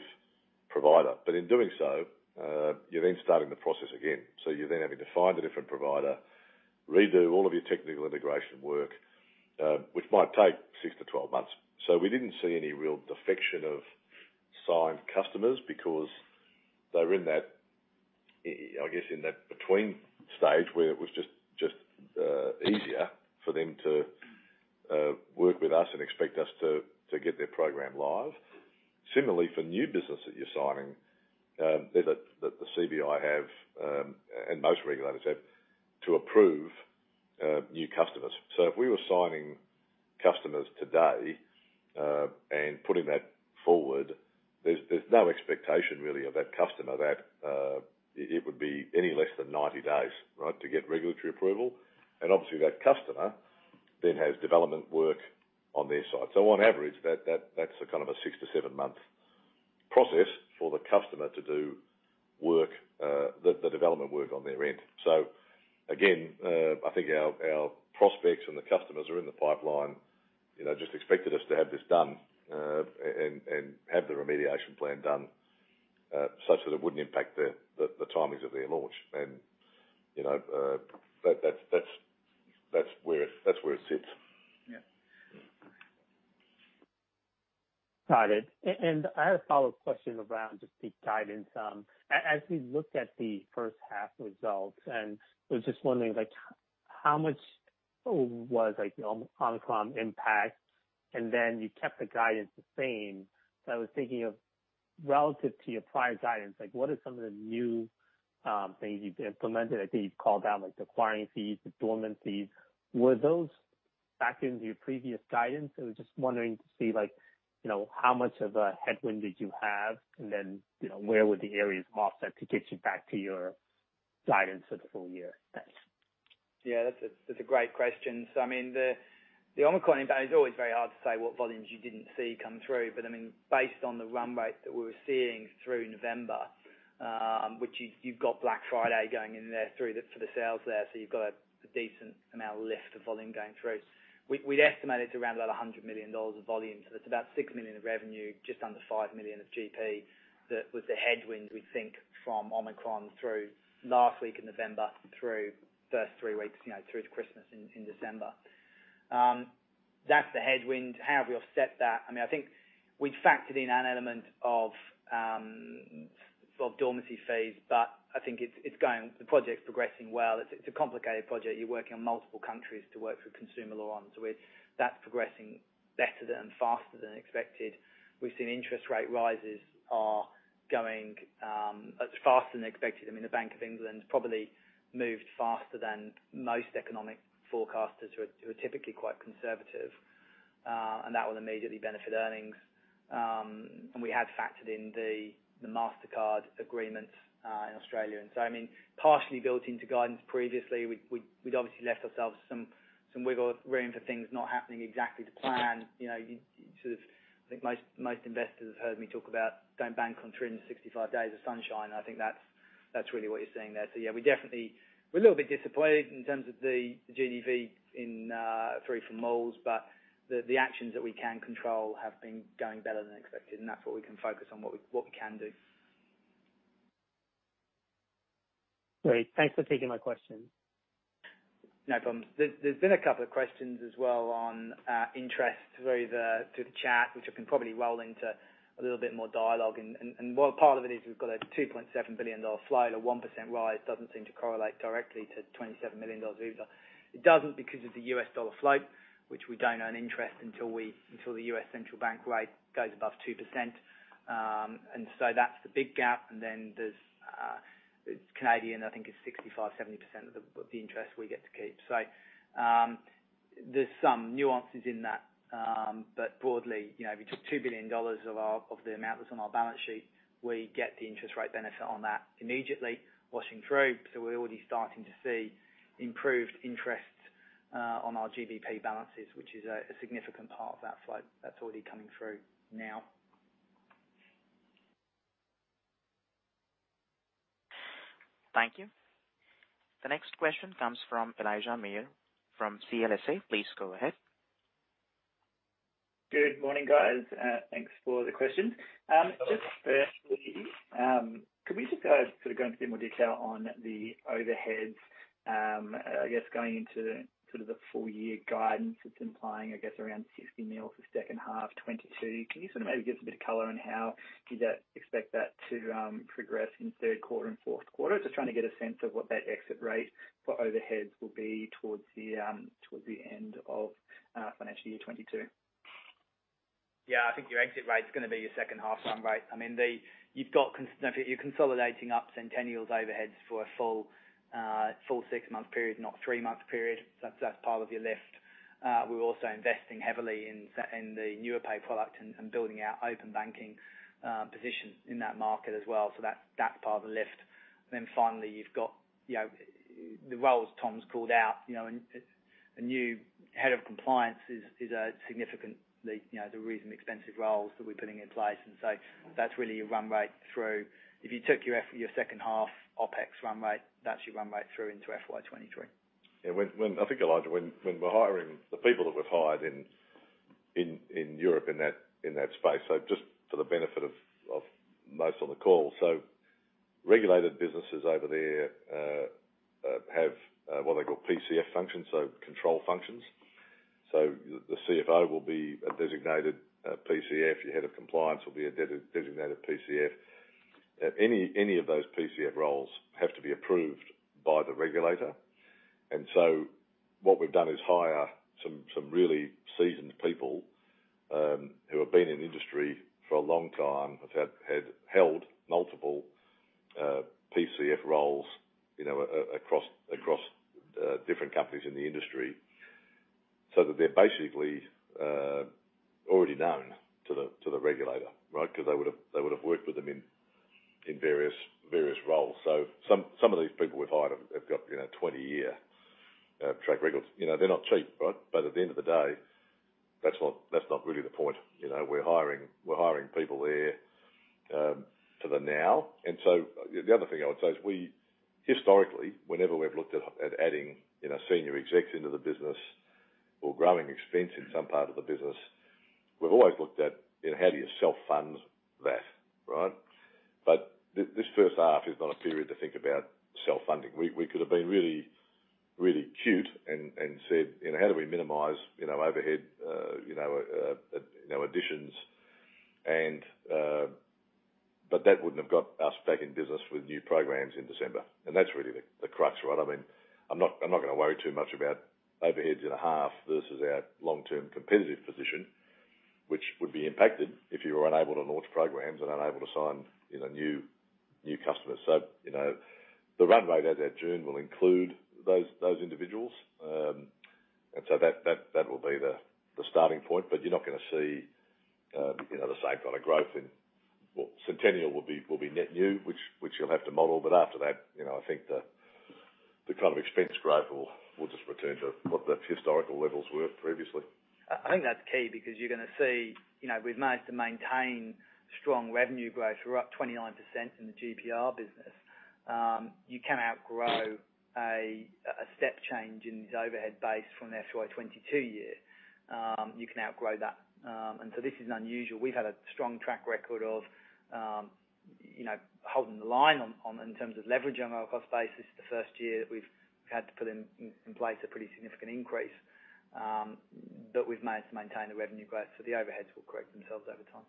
provider. In doing so, you're then starting the process again. You're then having to find a different provider, redo all of your technical integration work, which might take 6-12 months. We didn't see any real defection of signed customers because they were in that, I guess, in that between stage where it was just easier for them to work with us and expect us to get their program live. Similarly, for new business that you're signing, the CBI have, and most regulators have to approve new customers. If we were signing customers today and putting that forward, there's no expectation really of that customer that it would be any less than 90 days, right, to get regulatory approval. Obviously, that customer then has development work on their side. On average, that's a kind of a 6- to 7-month process for the customer to do the development work on their end. Again, I think our prospects and the customers are in the pipeline, you know, just expected us to have this done and have the remediation plan done such that it wouldn't impact the timings of their launch. You know, that's where it sits. Yeah. Got it. I have a follow-up question around just the guidance. As we look at the first half results, I was just wondering, like, how much was, like, the Omicron impact? You kept the guidance the same, so I was thinking relative to your prior guidance, like, what are some of the new things you've implemented? I think you've called out, like, the acquiring fees, the dormancy. Were those factored into your previous guidance? I was just wondering to see, like, you know, how much of a headwind did you have, and then, you know, where were the areas offset to get you back to your guidance for the full year? Thanks. Yeah, that's a great question. I mean, the Omicron impact, it's always very hard to say what volumes you didn't see come through. I mean, based on the run rate that we were seeing through November, which you've got Black Friday going in there for the sales there, so you've got a decent amount of lift of volume going through. We'd estimate it's around about 100 million dollars of volume. That's about 6 million of revenue, just under 5 million of GP. That was the headwinds we'd think from Omicron through last week in November, through first 3 weeks, you know, through to Christmas in December. That's the headwind. How we offset that, I mean, I think we'd factored in an element of dormancy fees, but I think the project's progressing well. It's a complicated project. You're working on multiple countries to work through consumer law on. That's progressing better than, faster than expected. We've seen interest rate rises are going faster than expected. I mean, the Bank of England probably moved faster than most economic forecasters who are typically quite conservative. That will immediately benefit earnings. We had factored in the Mastercard agreements in Australia. I mean, partially built into guidance previously, we'd obviously left ourselves some wiggle room for things not happening exactly to plan. You know, you sort of I think most investors have heard me talk about don't bank on 365 days of sunshine. I think that's really what you're seeing there. Yeah, we definitely are a little bit disappointed in terms of the GDV in Q3 for malls, but the actions that we can control have been going better than expected, and that's what we can focus on, what we can do. Great. Thanks for taking my question. No problems. There's been a couple of questions as well on interest through the chat, which we can probably roll into a little bit more dialogue. Well, part of it is we've got a 2.7 billion dollar float. A 1% rise doesn't seem to correlate directly to 27 million dollars either. It doesn't because of the US dollar float, which we don't earn interest until the US Central Bank rate goes above 2%. That's the big gap. There's Canadian. I think it's 65%-70% of the interest we get to keep. There's some nuances in that. Broadly, you know, if you took $2 billion of the amount that's on our balance sheet, we get the interest rate benefit on that immediately washing through. We're already starting to see improved interest on our GDV balances, which is a significant part of that float that's already coming through now. Thank you. The next question comes from Elijah Mayr from CLSA. Please go ahead. Good morning, guys. Thanks for the question. Just firstly, could we just go sort of into a bit more detail on the overheads, I guess going into sort of the full year guidance that's implying, I guess, around 60 million for second half 2022. Can you sort of maybe give us a bit of color on how do you expect that to progress in third quarter and fourth quarter? Just trying to get a sense of what that exit rate for overheads will be towards the end of financial year 2022. Yeah. I think your exit rate's gonna be your second half run rate. I mean, you've got, you're consolidating up Sentenial's overheads for a full six-month period, not three-month period. That's part of your lift. We're also investing heavily in the Nuapay product and building our Open Banking position in that market as well. So that's part of the lift. Then finally, you've got the roles Tom's called out. You know, a new head of compliance is a significantly, you know, they're reasonably expensive roles that we're putting in place. That's really your run rate through. If you took your second half OpEx run rate, that's your run rate through into FY 2023. I think, Elijah, when we're hiring the people that we've hired in Europe in that space. Just for the benefit of most on the call. Regulated businesses over there have what they call PCF functions, so control functions. The CFO will be a designated PCF. Your head of compliance will be a designated PCF. Any of those PCF roles have to be approved by the regulator. What we've done is hire some really seasoned people who have been in industry for a long time, but have held multiple PCF roles, you know, across different companies in the industry, so that they're basically already known to the regulator, right? 'Cause they would've worked with them in various roles. Some of these people we've hired have got, you know, 20-year track records. You know, they're not cheap, right? At the end of the day, that's not really the point. You know, we're hiring people there for the now. The other thing I would say is we historically, whenever we've looked at adding, you know, senior execs into the business or growing expense in some part of the business, we've always looked at, you know, how do you self-fund that, right? This first half is not a period to think about self-funding. We could have been really, really cute and said, "How do we minimize, you know, overhead, you know, additions," but that wouldn't have got us back in business with new programs in December. That's really the crux, right? I mean, I'm not gonna worry too much about overheads in a half versus our long-term competitive position, which would be impacted if you were unable to launch programs and unable to sign, you know, new customers. You know, the run rate as at June will include those individuals. That will be the starting point. You're not gonna see, you know, the same kind of growth in. Well, Sentenial will be net new, which you'll have to model. After that, you know, I think the kind of expense growth will just return to what the historical levels were previously. I think that's key because you're gonna see, you know, we've managed to maintain strong revenue growth. We're up 29% in the GPR business. You can outgrow a step change in this overhead base from the FY 2022 year. You can outgrow that. This is unusual. We've had a strong track record of, you know, holding the line on in terms of leverage on our cost base. This is the first year that we've had to put in place a pretty significant increase, we've managed to maintain the revenue growth, so the overheads will correct themselves over time.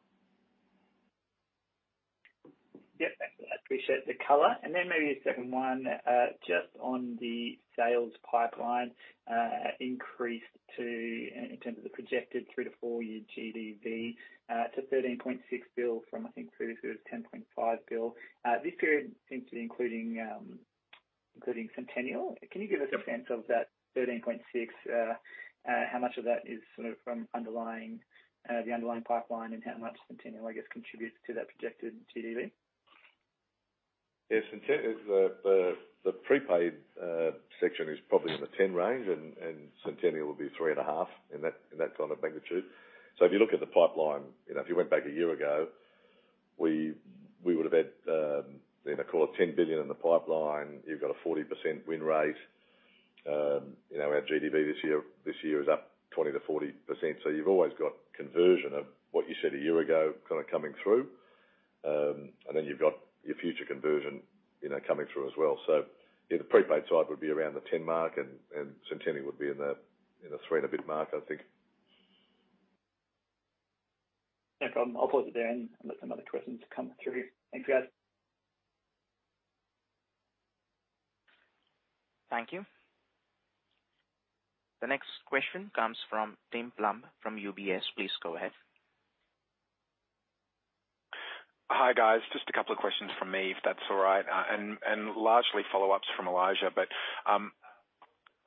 Yep. Appreciate the color. Maybe a second one, just on the sales pipeline, increased to, in terms of the projected 3-4-year GDV, to 13.6 billion from, I think previously it was 10.5 billion. This period seems to be including Sentenial. Can you give us a sense of that 13.6, how much of that is sort of from underlying, the underlying pipeline, and how much Sentenial, I guess, contributes to that projected GDV? Yes. The prepaid section is probably in the 10 range, and Sentenial will be 3.5 in that kind of magnitude. If you look at the pipeline, you know, if you went back a year ago, we would've had, you know, call it 10 billion in the pipeline. You've got a 40% win rate. You know, our GDV this year is up 20%-40%. You've always got conversion of what you said a year ago kinda coming through. And then you've got your future conversion, you know, coming through as well. Yeah, the prepaid side would be around the 10 mark, and Sentenial would be in the 3 and a bit mark, I think. No problem. I'll pause it there and let some other questions come through. Thanks, guys. Thank you. The next question comes from Tim Plumbe from UBS. Please go ahead. Hi, guys. Just a couple of questions from me, if that's all right, and largely follow-ups from Elijah.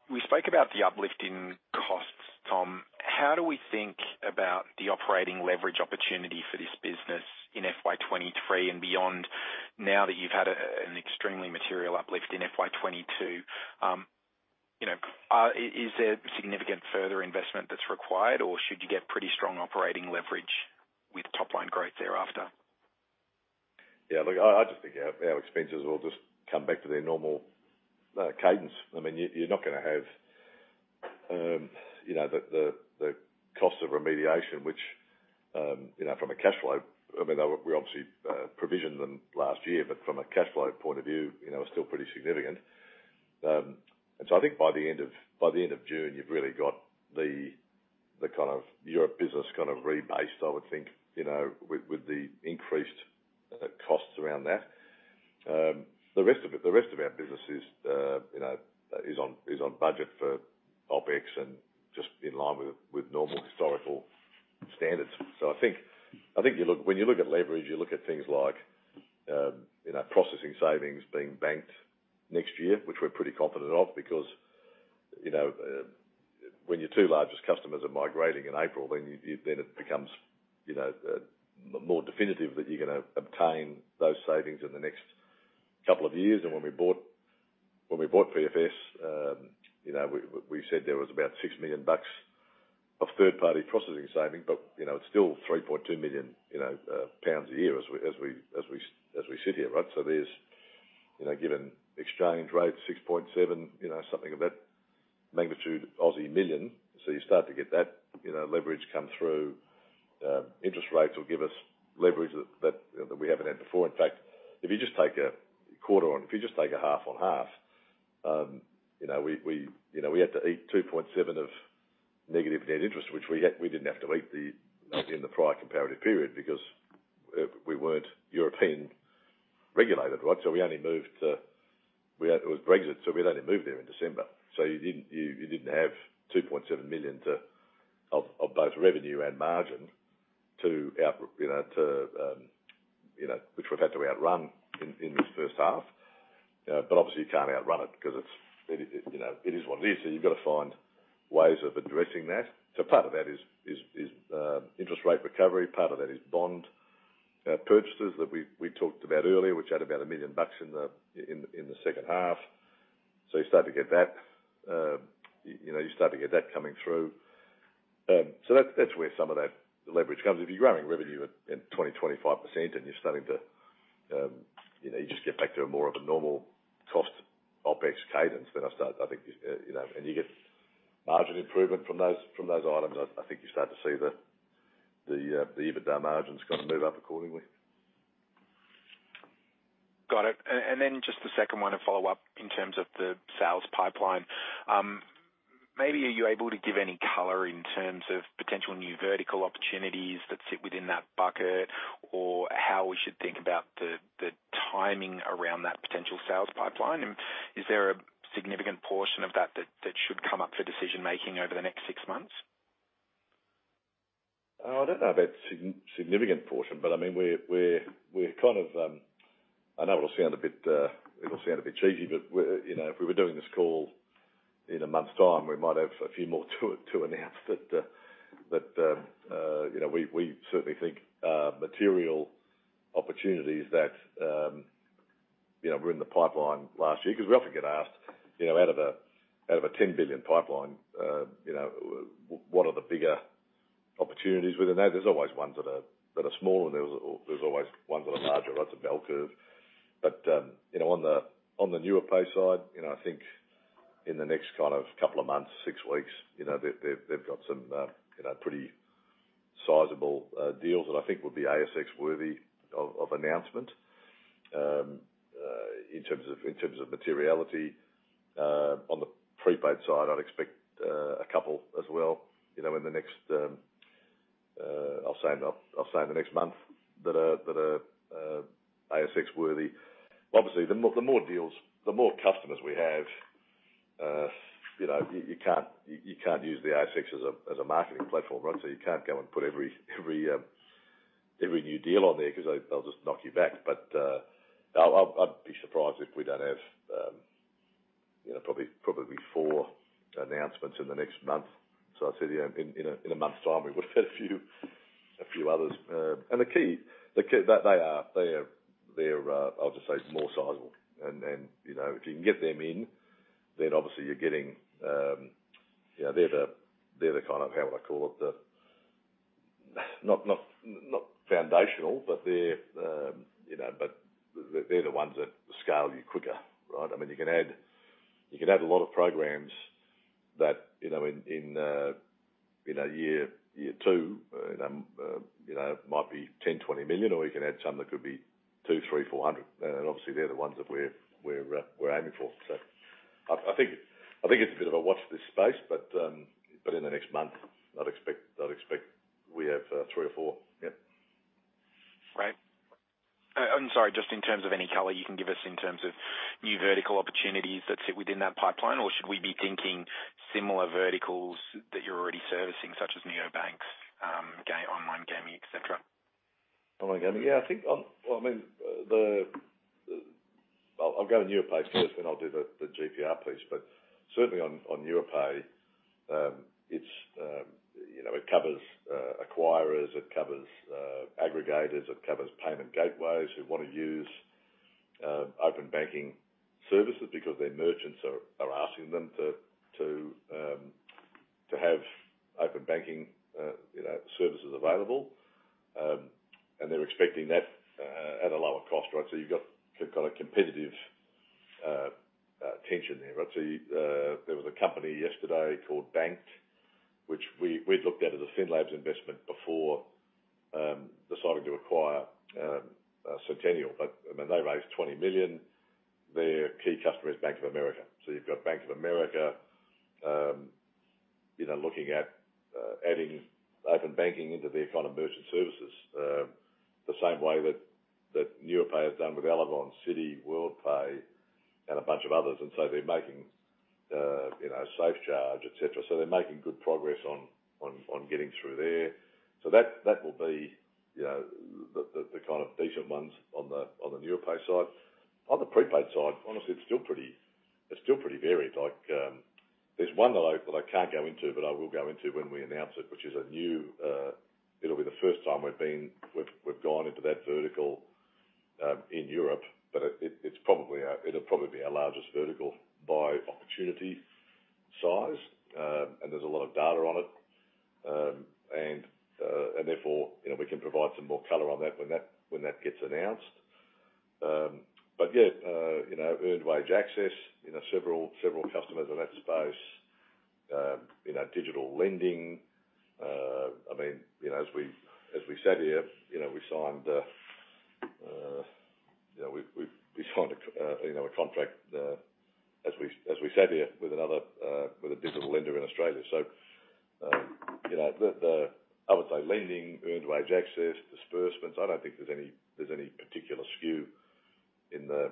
We spoke about the uplift in costs, Tom. How do we think about the operating leverage opportunity for this business in FY 2023 and beyond now that you've had an extremely material uplift in FY 2022? You know, is there significant further investment that's required, or should you get pretty strong operating leverage with top-line growth thereafter? Yeah. Look, I just think our expenses will just come back to their normal cadence. I mean, you're not gonna have the cost of remediation, which, from a cash flow, I mean, we obviously provisioned them last year, but from a cash flow point of view, are still pretty significant. I think by the end of June, you've really got your business rebased, I would think, with the increased costs around that. The rest of our business is on budget for OpEx and just in line with normal historical standards. I think you look. When you look at leverage, you look at things like, you know, processing savings being banked next year, which we're pretty confident of because, you know, when your 2 largest customers are migrating in April, then it becomes, you know, more definitive that you're gonna obtain those savings in the next couple of years. When we bought PFS, you know, we said there was about 6 million bucks of third-party processing savings, but, you know, it's still 3.2 million pounds a year as we sit here, right? There's, you know, given exchange rates, 6.7 million, you know, something of that magnitude. You start to get that, you know, leverage come through. Interest rates will give us leverage that we haven't had before. In fact, if you just take a half on half, we had to eat 2.7 million of negative net interest, which we didn't have to eat in the prior comparative period because we weren't European regulated, right? It was Brexit, so we'd only moved there in December. You didn't have 2.7 million of both revenue and margin to outrun in this first half. But obviously you can't outrun it 'cause it is what it is. You've got to find ways of addressing that. Part of that is interest rate recovery, part of that is bond purchases that we talked about earlier, which had about 1 million bucks in the second half. You start to get that coming through. That's where some of that leverage comes. If you're growing revenue at 20%-25% and you're starting to just get back to a more normal cost OpEx cadence, then I think and you get margin improvement from those items. I think you start to see the EBITDA margin's gonna move up accordingly. Got it. Then just the second one to follow up in terms of the sales pipeline. Maybe are you able to give any color in terms of potential new vertical opportunities that sit within that bucket? Or how we should think about the timing around that potential sales pipeline? Is there a significant portion of that should come up for decision-making over the next six months? I don't know about significant portion, but I mean, we're kind of. I know it'll sound a bit cheesy, but we're, you know, if we were doing this call in a month's time, we might have a few more to announce. But you know, we certainly think material opportunities that you know were in the pipeline last year. 'Cause we often get asked, you know, out of a 10 billion pipeline, you know, what are the bigger opportunities within that? There's always ones that are small, and there's always ones that are larger. That's a bell curve. You know, on the Nuapay side, you know, I think in the next kind of couple of months, six weeks, you know, they've got some, you know, pretty sizable deals that I think would be ASX worthy of announcement in terms of materiality. On the prepaid side, I'd expect a couple as well, you know, in the next, I'll say in the next month that are ASX worthy. Obviously, the more deals, the more customers we have, you know, you can't use the ASX as a marketing platform. You can't go and put every new deal on there 'cause they'll just knock you back. I'd be surprised if we don't have you know probably 4 announcements in the next month. I'd say you know in a month's time we would have a few others. The key that they are they're more sizable. You know if you can get them in then obviously you're getting you know they're the kind of how would I call it? The not foundational but they're you know but they're the ones that scale you quicker right? I mean you can add you can add a lot of programs that you know in year two you know might be 10 million, 20 million or you can add some that could be 200 million, 300 million, 400 million. Obviously, they're the ones that we're aiming for. I think it's a bit of a watch this space, but in the next month, I'd expect we have 3 or 4. Yeah. Right. I'm sorry, just in terms of any color you can give us in terms of new vertical opportunities that sit within that pipeline, or should we be thinking similar verticals that you're already servicing, such as neobanks, online gaming, etc.? Online gaming. Yeah, I think. Well, I mean, I'll go to Nuapay first, then I'll do the GPR piece. Certainly on Nuapay, you know, it covers acquirers, it covers aggregators, it covers payment gateways who wanna use Open Banking services because their merchants are asking them to have Open Banking services available. They're expecting that at a lower cost, right? You've got a competitive tension there. There was a company yesterday called Banked, which we'd looked at as a Finlabs investment before deciding to acquire Sentenial. I mean, they raised $20 million. Their key customer is Bank of America. You've got Bank of America, you know, looking at adding Open Banking into their kind of merchant services, the same way that Nuapay has done with Elavon, Citi, Worldpay, and a bunch of others. They're making SafeCharge, etc. They're making good progress on getting through there. That will be the kind of decent ones on the Nuapay side. On the prepaid side, honestly, it's still pretty varied. Like, there's one that I can't go into, but I will go into when we announce it, which is a new. It'll be the first time we've gone into that vertical in Europe. But it will probably be our largest vertical by opportunity size. There's a lot of data on it. Therefore, you know, we can provide some more color on that when that gets announced. Yeah, you know, Earned Wage Access, you know, several customers in that space. You know, digital lending. I mean, you know, as we sat here, you know, we signed a contract as we sat here with a digital lender in Australia. You know, I would say lending, Earned Wage Access, disbursements. I don't think there's any particular skew in the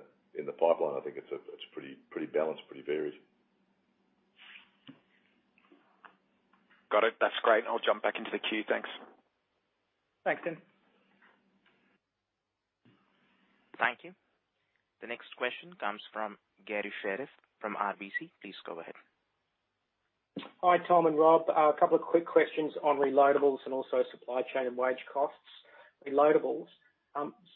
pipeline. I think it's pretty balanced, pretty varied. Got it. That's great. I'll jump back into the queue. Thanks. Thanks, Tim. Thank you. The next question comes from Garry Sherriff from RBC. Please go ahead. Hi, Tom and Rob. A couple of quick questions on reloadables and also supply chain and wage costs. Reloadables.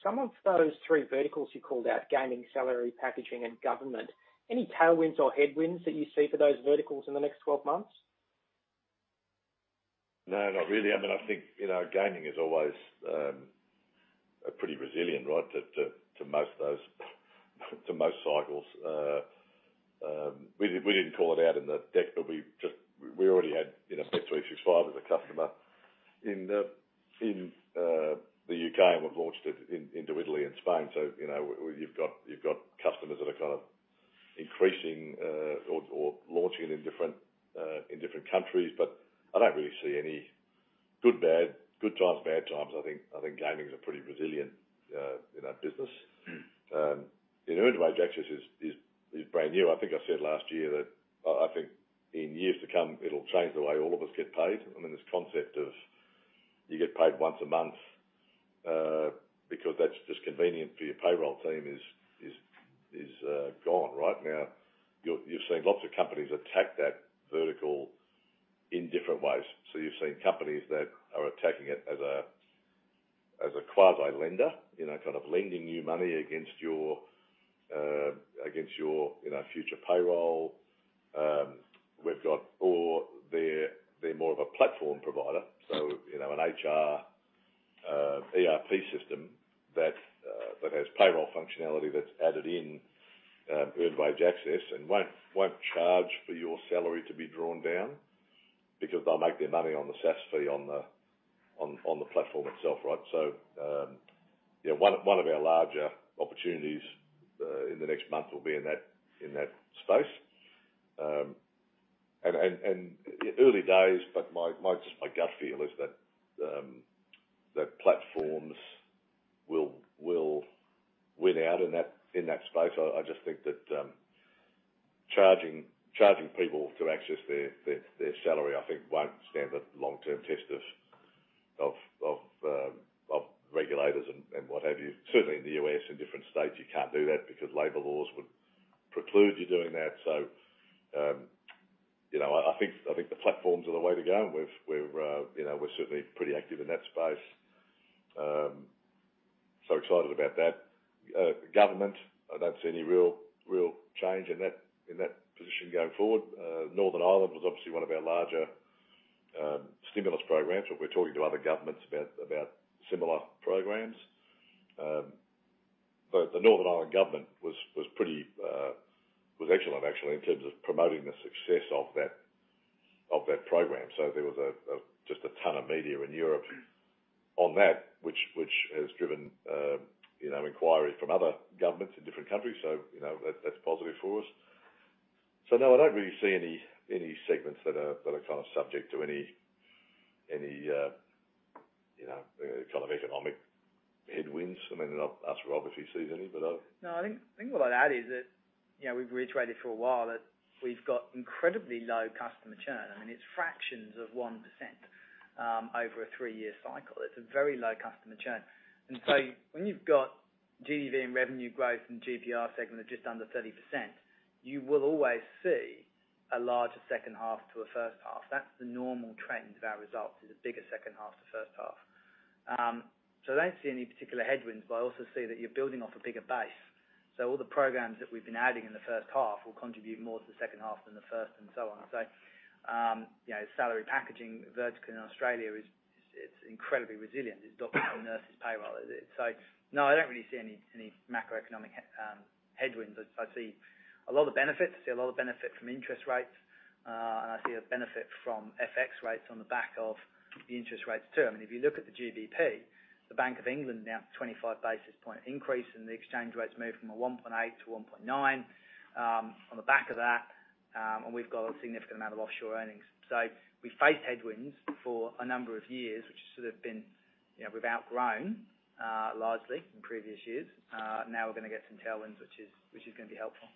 Some of those three verticals you called out, gaming, salary packaging, and government, any tailwinds or headwinds that you see for those verticals in the next 12 months? No, not really. I mean, I think you know gaming is always a pretty resilient right to most cycles. We didn't call it out in the deck, but we already had you know bet365 as a customer in the U.K., and we've launched it into Italy and Spain. You know, you've got customers that are kind of increasing or launching it in different countries. But I don't really see any good times bad times. I think gaming is a pretty resilient you know business. You know, Earned Wage Access is brand new. I think I said last year that I think in years to come it'll change the way all of us get paid. I mean, this concept of you get paid once a month because that's just convenient for your payroll team is gone, right? Now, you're seeing lots of companies attack that vertical in different ways. You're seeing companies that are attacking it as a quasi-lender, you know, kind of lending you money against your future payroll. Or they're more of a platform provider. You know, an HR ERP system that has payroll functionality that's added in, Earned Wage Access and won't charge for your salary to be drawn down because they'll make their money on the SaaS fee on the platform itself, right? You know, one of our larger opportunities in the next month will be in that space. Early days, but my gut feel is that platforms will win out in that space. I just think that charging people to access their salary, I think won't stand the long-term test of regulators and what have you. Certainly in the U.S., in different states, you can't do that because labor laws would preclude you doing that. You know, I think the platforms are the way to go, and we're certainly pretty active in that space. Excited about that. Government, I don't see any real change in that position going forward. Northern Ireland was obviously one of our larger stimulus programs, but we're talking to other governments about similar programs. The Northern Ireland government was pretty excellent actually in terms of promoting the success of that program. There was just a ton of media in Europe on that which has driven, you know, inquiries from other governments in different countries. You know, that's positive for us. No, I don't really see any segments that are kind of subject to any economic headwinds. I mean, ask Rob if he sees any, but I- No, I think what I'd add is that, you know, we've reiterated for a while that we've got incredibly low customer churn. I mean, it's fractions of one percent over a 3-year cycle. It's a very low customer churn. When you've got GDV and revenue growth in the GPR segment of just under 30%, you will always see a larger second half to a first half. That's the normal trend of our results, is a bigger second half to first half. I don't see any particular headwinds, but I also see that you're building off a bigger base. All the programs that we've been adding in the first half will contribute more to the second half than the first and so on. You know, salary packaging vertical in Australia is incredibly resilient. It's doctors and nurses payroll, isn't it? No, I don't really see any macroeconomic headwinds. I see a lot of benefits. I see a lot of benefit from interest rates, and I see a benefit from FX rates on the back of the interest rates too. I mean, if you look at the GBP, the Bank of England announced a 25 basis point increase, and the exchange rate's moved from a 1.8 to a 1.9, on the back of that, and we've got a significant amount of offshore earnings. We faced headwinds for a number of years, which has sort of been, you know, we've outgrown largely in previous years. Now we're gonna get some tailwinds, which is gonna be helpful.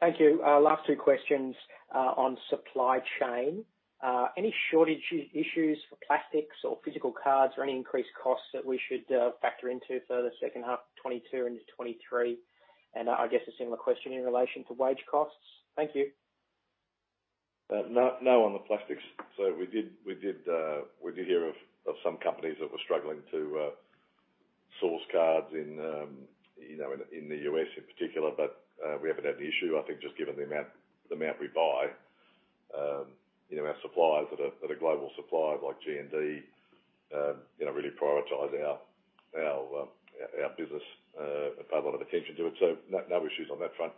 Thank you. Last two questions on supply chain. Any shortage issues for plastics or physical cards or any increased costs that we should factor into for the second half 2022 into 2023? I guess a similar question in relation to wage costs. Thank you. No on the plastics. We did hear of some companies that were struggling to source cards in, you know, in the U.S. in particular, but we haven't had the issue. I think just given the amount we buy, you know, our suppliers that are global suppliers like G+D, you know, really prioritize our business and pay a lot of attention to it. No issues on that front.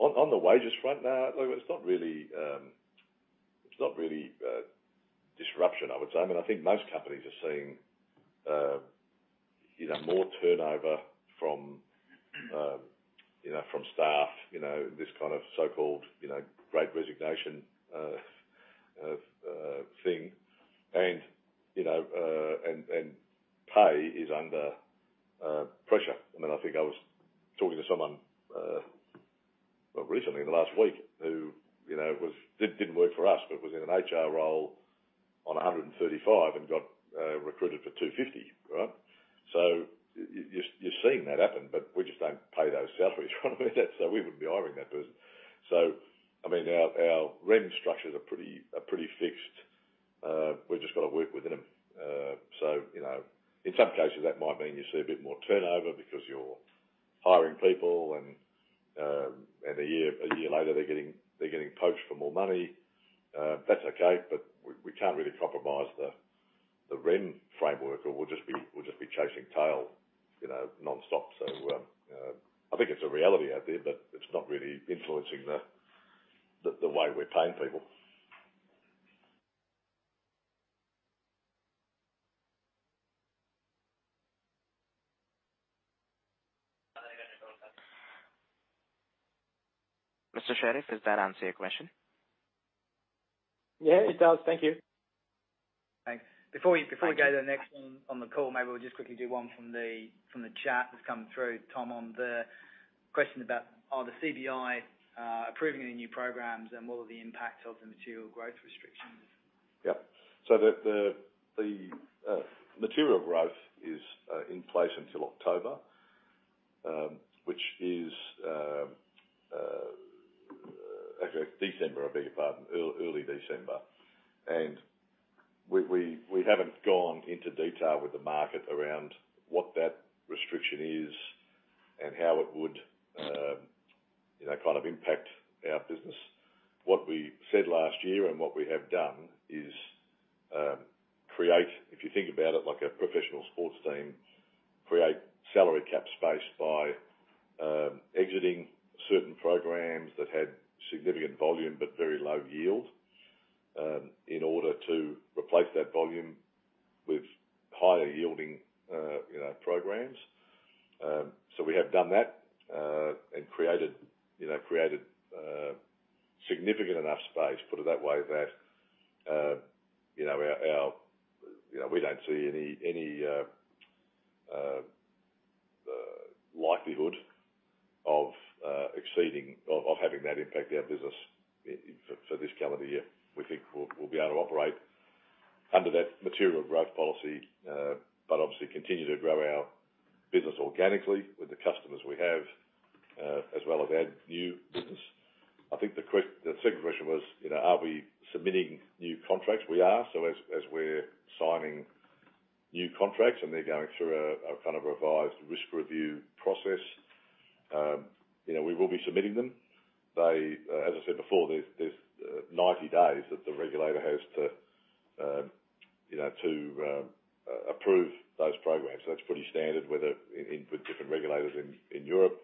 On the wages front now, look, it's not really disruption, I would say. I mean, I think most companies are seeing, you know, more turnover from, you know, from staff, you know, this kind of so-called, you know, Great Resignation thing. You know, pay is under pressure. I mean, I think I was talking to someone well recently, in the last week, who you know didn't work for us, but was in an HR role on 135 and got recruited for 250, right? You're seeing that happen, but we just don't pay those salaries so we wouldn't be hiring that person. I mean, our REM structures are pretty fixed. We've just gotta work within them. You know, in some cases, that might mean you see a bit more turnover because you're hiring people and a year later they're getting poached for more money. That's okay, but we can't really compromise the REM framework or we'll just be chasing tail, you know, nonstop. I think it's a reality out there, but it's not really influencing the way we're paying people. Mr. Sherriff, does that answer your question? Yeah, it does. Thank you. Thanks. Before we go to the next one on the call, maybe we'll just quickly do one from the chat that's come through, Tom, on the question about, are the CBI approving any new programs and what are the impacts of the Material Growth restrictions? Yep. The Material Growth is in place until October, which is actually December, I beg your pardon. Early December. We haven't gone into detail with the market around what that restriction is and how it would, you know, kind of impact our business. What we said last year and what we have done is, if you think about it like a professional sports team, create salary cap space by exiting certain programs that had significant volume but very low yield in order to replace that volume with higher yielding, you know, programs. We have done that and created, you know, significant enough space, put it that way, that you know, we don't see any likelihood of exceeding. For this calendar year. We think we'll be able to operate under that Material Growth Framework, but obviously continue to grow our business organically with the customers we have, as well as add new business. I think the second question was, you know, are we submitting new contracts? We are. As we're signing new contracts and they're going through a kind of revised risk review process, you know, we will be submitting them. As I said before, there's 90 days that the regulator has to, you know, to approve those programs. That's pretty standard with different regulators in Europe.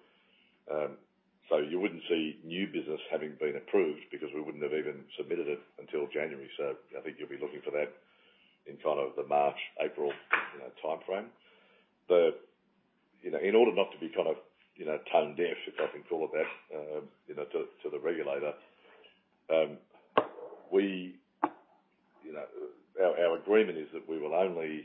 You wouldn't see new business having been approved because we wouldn't have even submitted it until January. I think you'll be looking for that in kind of the March, April, you know, timeframe. You know, in order not to be kind of, you know, tone deaf, if I can call it that, you know, to the regulator, we you know our agreement is that we will only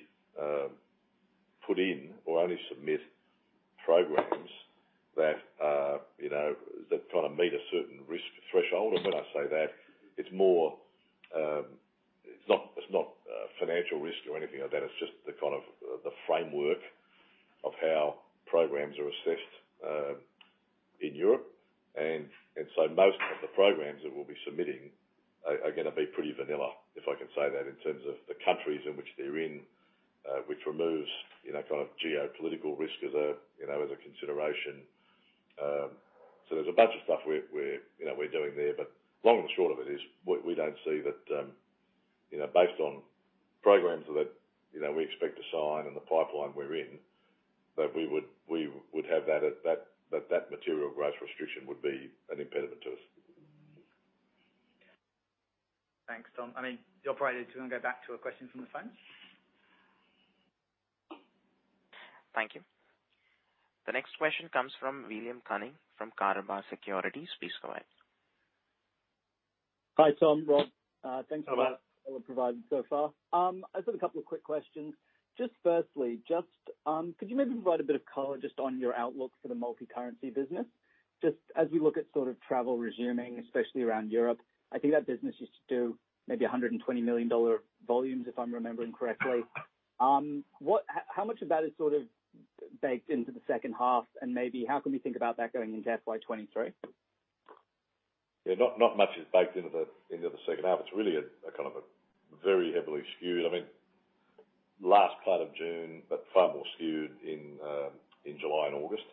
maybe 120 million dollar volumes, if I'm remembering correctly. How much of that is sort of baked into the second half, and maybe how can we think about that going into FY 2023? Yeah. Not much is baked into the second half. It's really a kind of a very heavily skewed. I mean, last part of June, but far more skewed in July and August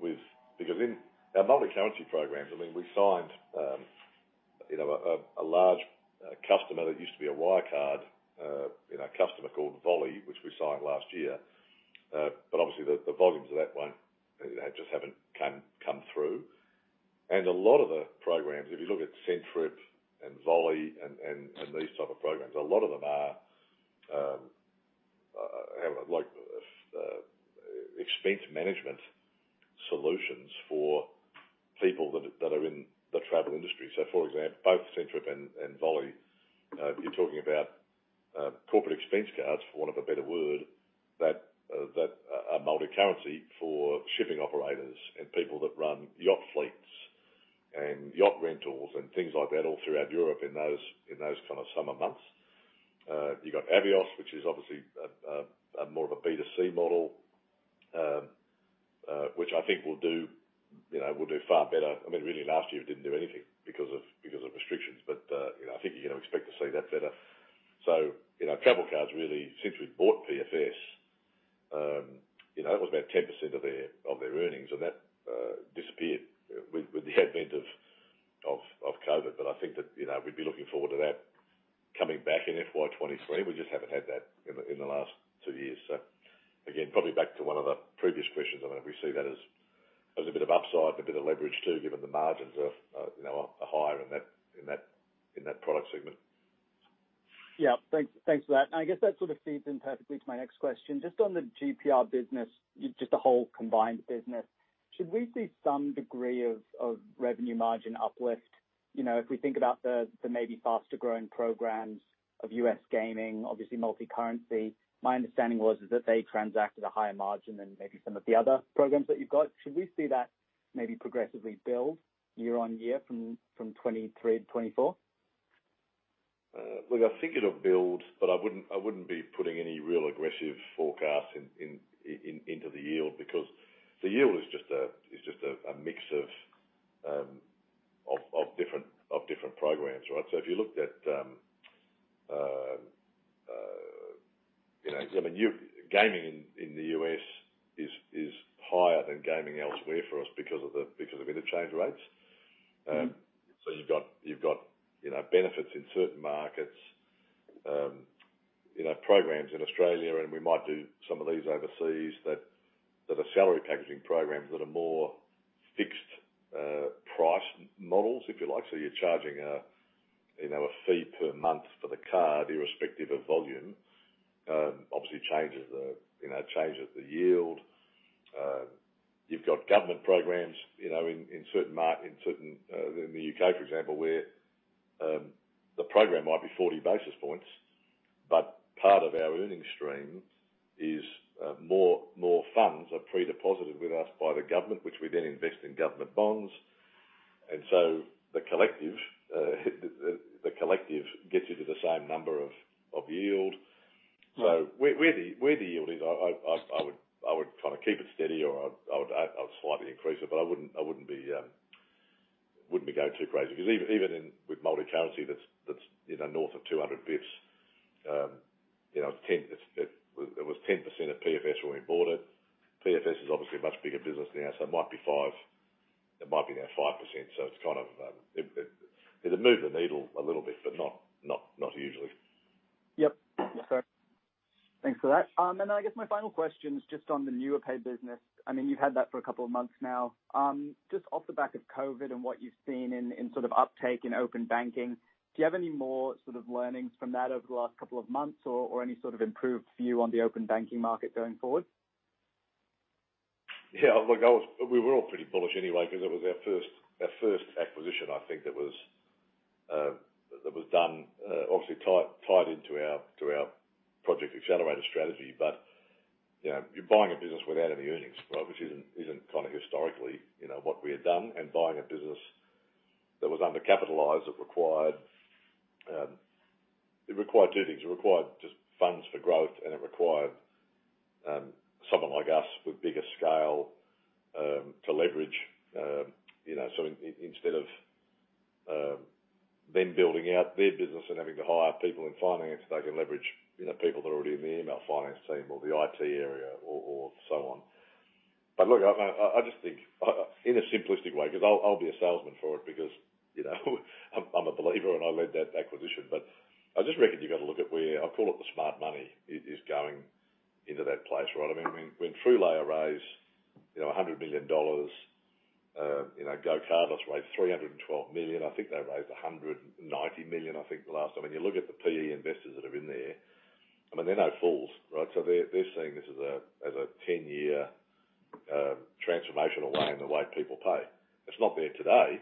with. Because in our multicurrency programs, I mean, we signed you know a large customer that used to be a Wirecard you know a customer called Volopay, which we signed last year. But obviously the volumes of that won't you know just haven't come through. A lot of the programs, if you look at Centtrip and Volopay and these type of programs, a lot of them are having expense management solutions for people. So for example, both Centtrip and Volopay, you're talking about corporate expense cards, for want of a better word, that are multicurrency for shipping operators and people that run yacht fleets and yacht rentals and things like that all throughout Europe in those kind of summer months. You got Avios, which is obviously a more of a B2C model, which I think will do far better. I mean, really last year it didn't do anything because of restrictions, but I think you're gonna expect to see that better. Travel cards really since we've bought PFS, it was about 10% of their earnings and that disappeared with the advent of COVID. I think that we'd be looking forward to that coming back in FY 2023. We just haven't had that in the last two years. Again, probably back to one of the previous questions. I mean, we see that as a bit of upside and a bit of leverage too, given the margins are higher in that product segment. Yeah. Thanks for that. I guess that sort of feeds in perfectly to my next question. Just on the GPR business, just the whole combined business. Should we see some degree of revenue margin uplift? You know, if we think about the maybe faster growing programs of U.S. gaming, obviously multicurrency. My understanding was, is that they transact at a higher margin than maybe some of the other programs that you've got. Should we see that maybe progressively build year on year from 2023 to 2024? Look, I think it'll build, but I wouldn't be putting any real aggressive forecasts into the yield because the yield is just a mix of different programs, right? So if you looked at... You know, I mean, you—Gaming in the US is higher than gaming elsewhere for us because of interchange rates. So you've got, you know, benefits in certain markets. You know, programs in Australia, and we might do some of these overseas that are salary packaging programs that are more fixed price models, if you like. So you're charging a fee per month for the card, irrespective of volume. Obviously changes the yield. You've got government programs, you know, in certain in the U.K., for example, where the program might be 40 basis points. But part of our earnings stream is more funds are pre-deposited with us by the government, which we then invest in government bonds. The collective gets you to the same number of yield. Right. Where the yield is, I would kind of keep it steady or I would slightly increase it. I wouldn't be going too crazy. 'Cause even with multicurrency that's you know north of 200 basis points you know it's 10% at PFS when we bought it. PFS is obviously a much bigger business now. It might be 5. It might now be 5%. It's kind of it'd move the needle a little bit, but not hugely. Yep. That's fair. Thanks for that. I guess my final question is just on the new Pay business. I mean, you've had that for a couple of months now. Just off the back of COVID and what you've seen in sort of uptake in Open Banking, do you have any more sort of learnings from that over the last couple of months or any sort of improved view on the Open Banking market going forward? Yeah. Look, we were all pretty bullish anyway because it was our first acquisition, I think, that was done, obviously tied into our Project Accelerator strategy. You know, you're buying a business without any earnings, right? Which isn't kind of historically, you know, what we had done. Buying a business that was undercapitalized, it required two things. It required just funds for growth, and it required someone like us with bigger scale to leverage. You know, instead of them building out their business and having to hire people in finance, they can leverage you know people that are already in the EML finance team or the IT area or so on. Look, I just think in a simplistic way, 'cause I'll be a salesman for it because you know I'm a believer and I led that acquisition. I just reckon you gotta look at where I call it the smart money is going into that place, right? I mean, when TrueLayer raised you know $100 million, you know GoCardless raised $312 million. I think they raised $190 million the last time. You look at the PE investors that are in there, I mean, they're no fools, right? They're seeing this as a 10-year transformational way in the way people pay. It's not there today,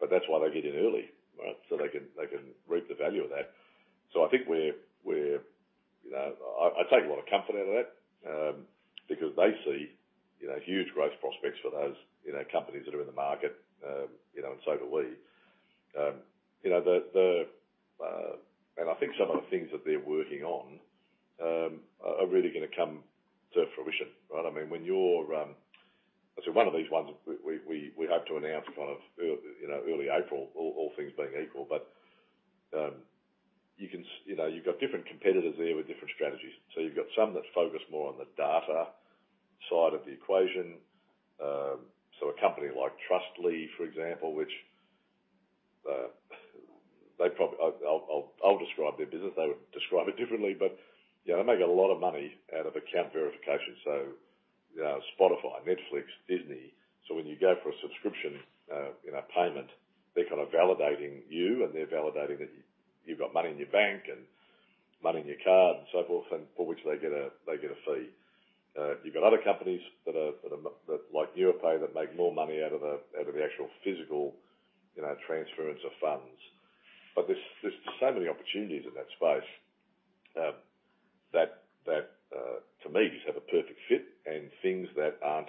but that's why they get in early, right? They can reap the value of that. I think we're, you know, I take a lot of comfort out of that, because they see, you know, huge growth prospects for those, you know, companies that are in the market, you know, and so do we. You know, I think some of the things that they're working on are really gonna come to fruition, right? I mean, when you're one of these ones we hope to announce kind of early April, all things being equal. But you can see. You know, you've got different competitors there with different strategies. You've got some that focus more on the data side of the equation. A company like Trustly, for example, which they I'll describe their business. They would describe it differently, but you know, they make a lot of money out of account verification. You know, Spotify, Netflix, Disney. When you go for a subscription, you know, payment, they're kind of validating you, and they're validating that you've got money in your bank and money in your card and so forth, and for which they get a fee. You've got other companies like Nuapay that make more money out of the actual physical, you know, transference of funds. There's so many opportunities in that space that to me just have a perfect fit and things that aren't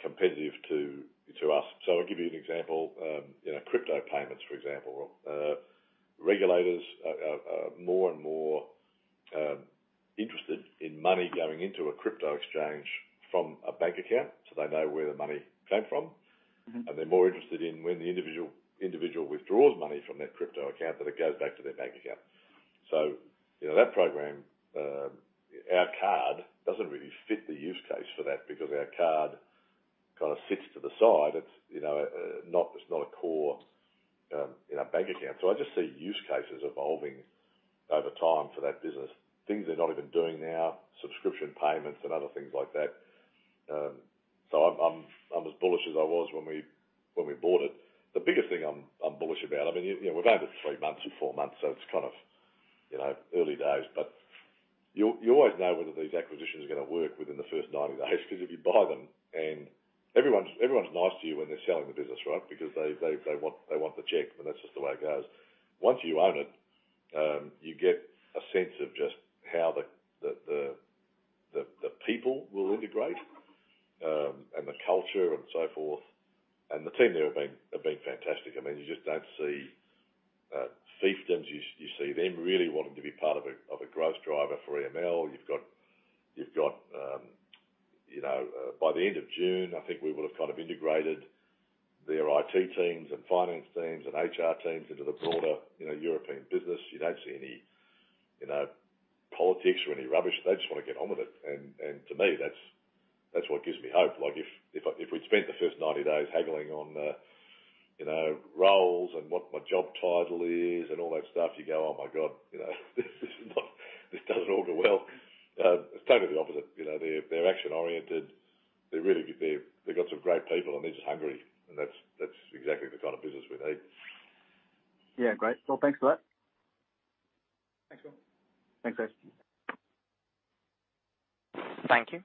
competitive to us. I'll give you an example. You know, crypto payments, for example. Regulators are more and more interested in money going into a crypto exchange from a bank account, so they know where the money came from. Mm-hmm. They're more interested in when the individual withdraws money from that crypto account, that it goes back to their bank account. You know, that program, our card doesn't really fit the use case for that because our card kinda sits to the side. It's not a core bank account. I just see use cases evolving over time for that business. Things they're not even doing now, subscription payments and other things like that. I'm as bullish as I was when we bought it. The biggest thing I'm bullish about, I mean, we've only been 3 months or 4 months, so it's kind of early days, but you always know whether these acquisitions are gonna work within the first 90 days. 'Cause if you buy them and everyone's nice to you when they're selling the business, right? Because they want the check, and that's just the way it goes. Once you own it, you get a sense of just how the people will integrate, and the culture and so forth. The team there have been fantastic. I mean, you just don't see fiefdoms. You see them really wanting to be part of a growth driver for EML. You've got, you know, by the end of June, I think we will have kind of integrated their IT teams and finance teams and HR teams into the broader, you know, European business. You don't see any politics or any rubbish. They just wanna get on with it. To me, that's what gives me hope. Like, if we'd spent the first 90 days haggling on, you know, roles and what my job title is and all that stuff, you go, "Oh my god, you know, this is not, this doesn't augur well." It's totally the opposite. You know, they're action-oriented. They're really good. They've got some great people, and they're just hungry, and that's exactly the kind of business we need. Yeah. Great. Well, thanks for that. Thanks, Will. Thanks, guys. Thank you.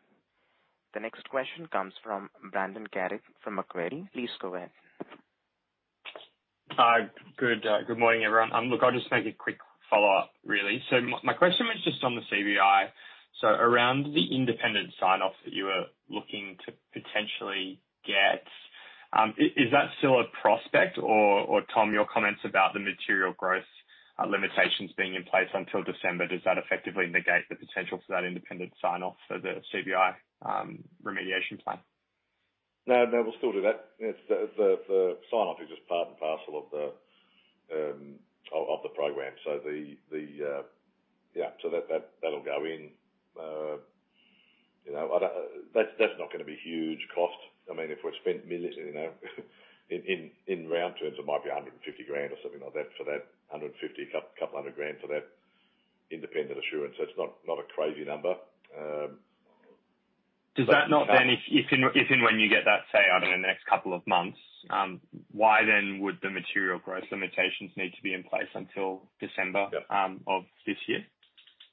The next question comes from Brendan Carrig from Macquarie. Please go ahead. Hi. Good morning, everyone. Look, I'll just make a quick follow-up, really. My question was just on the CBI. Around the independent sign-off that you were looking to potentially get, is that still a prospect? Or Tom, your comments about the Material Growth limitations being in place until December, does that effectively negate the potential for that independent sign-off for the CBI remediation plan? No, we'll still do that. It's the sign-off is just part and parcel of the program. That'll go in. You know, that's not gonna be huge cost. I mean, if we spent millions, you know in round terms, it might be 150,000 or something like that for that. A couple hundred grand for that independent assurance. It's not a crazy number. Does that not then, if and when you get that, say, I don't know, next couple of months, why then would the Material Growth limitations need to be in place until December of this year?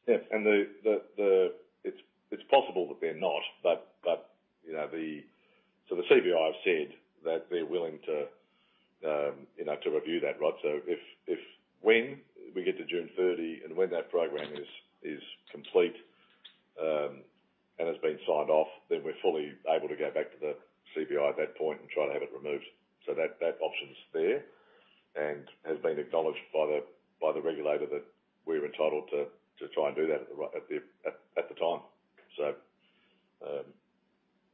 Yeah. It's possible that they're not, but you know, the CBI have said that they're willing to, you know, review that, right? If when we get to June 30 and when that program is complete and has been signed off, then we're fully able to go back to the CBI at that point and try to have it removed. That option's there and has been acknowledged by the regulator that we're entitled to try and do that at the time.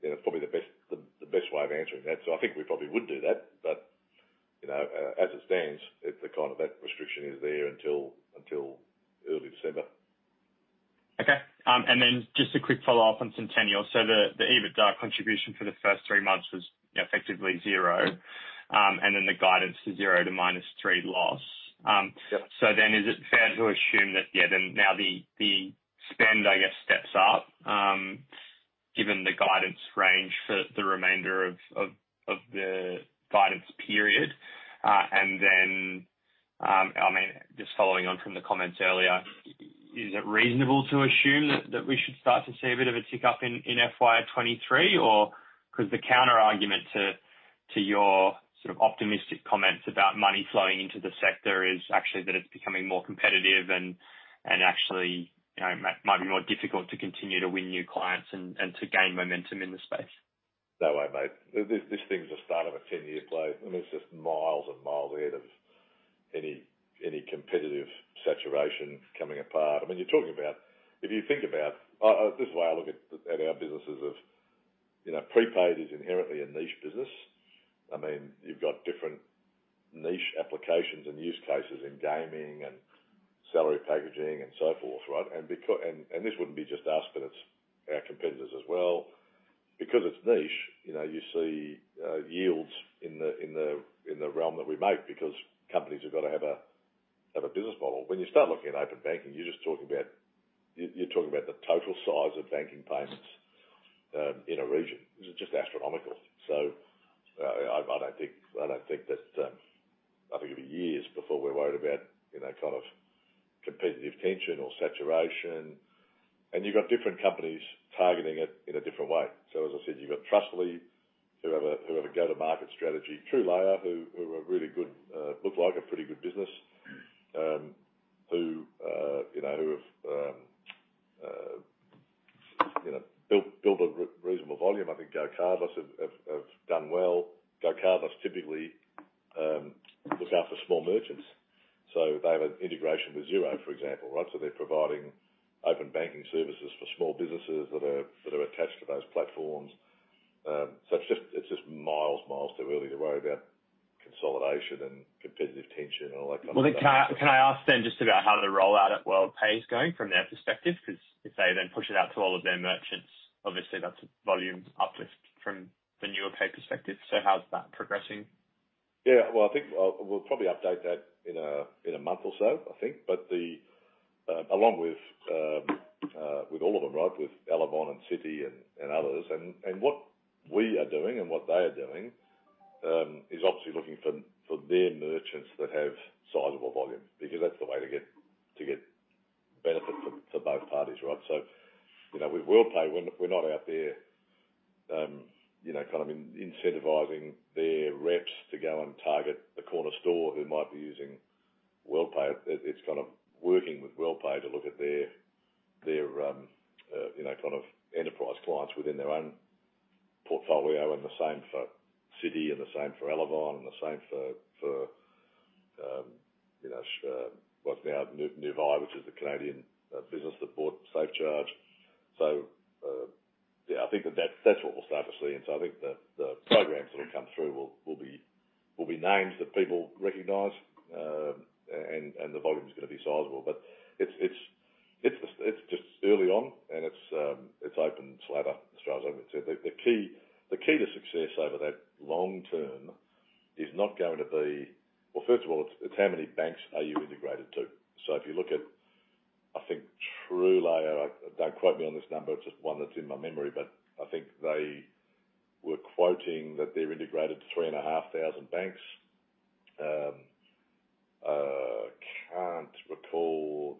It's probably the best way of answering that. I think we probably would do that. You know, as it stands, the kind of that restriction is there until early December. Okay. Just a quick follow-up on Sentenial. The EBITDA contribution for the first three months was effectively zero. Mm-hmm. The guidance to 0 to -3 loss. Yeah. Is it fair to assume that, yeah, then now the spend, I guess, steps up, given the guidance range for the remainder of the guidance period? I mean, just following on from the comments earlier, is it reasonable to assume that we should start to see a bit of a tick up in FY 2023? Because the counterargument to your sort of optimistic comments about money flowing into the sector is actually that it's becoming more competitive and actually, you know, might be more difficult to continue to win new clients and to gain momentum in the space. That way, mate. This thing's the start of a 10-year play, and it's just miles and miles ahead of any competitive saturation coming apart. I mean, you're talking about. If you think about, this is the way I look at our businesses of, you know, prepaid is inherently a niche business. I mean, you've got different niche applications and use cases in gaming and salary packaging and so forth, right? And this wouldn't be just us, but it's our competitors as well. Because it's niche, you know, you see yields in the realm that we make because companies have got to have a business model. When you start looking at Open Banking, you're just talking about the total size of banking payments in a region. This is just astronomical. I think it'll be years before we're worried about, you know, kind of competitive tension or saturation. You've got different companies targeting it in a different way. As I said, you've got Trustly who have a go-to-market strategy. TrueLayer who are really good, look like a pretty good business, who, you know, who have, you know, built a reasonable volume. I think GoCardless have done well. GoCardless typically look after small merchants, so they have an integration with Xero, for example, right? They're providing Open Banking services for small businesses that are attached to those platforms. It's just miles too early to worry about consolidation and competitive tension or that kind of thing. Well, can I ask then just about how the rollout at Worldpay is going from their perspective? 'Cause if they then push it out to all of their merchants, obviously that's volume uplift from the Nuapay perspective. How's that progressing? Yeah. Well, I think we'll probably update that in a month or so, I think. Along with all of them, right? With Elavon and Citi and others. What we are doing and what they are doing is obviously looking for their merchants that have sizable volume, because that's the way to get benefit for both parties, right? You know, with Worldpay, we're not out there, you know, kind of incentivizing their reps to go and target the corner store who might be using Worldpay. It's kind of working with Worldpay to look at their kind of enterprise clients within their own portfolio. The same for Citi and the same for Elavon and the same for what's now Nuvei, which is the Canadian business that bought SafeCharge. I think that's what we'll start to see. I think the programs that'll come through will be names that people recognize. The volume is gonna be sizable. It's just early on and it's open slather as far as I'm concerned. The key to success over that long term is not going to be. Well, first of all, it's how many banks are you integrated to? If you look at, I think TrueLayer, don't quote me on this number, it's just one that's in my memory, but I think they were quoting that they're integrated to 3,500 banks. I can't recall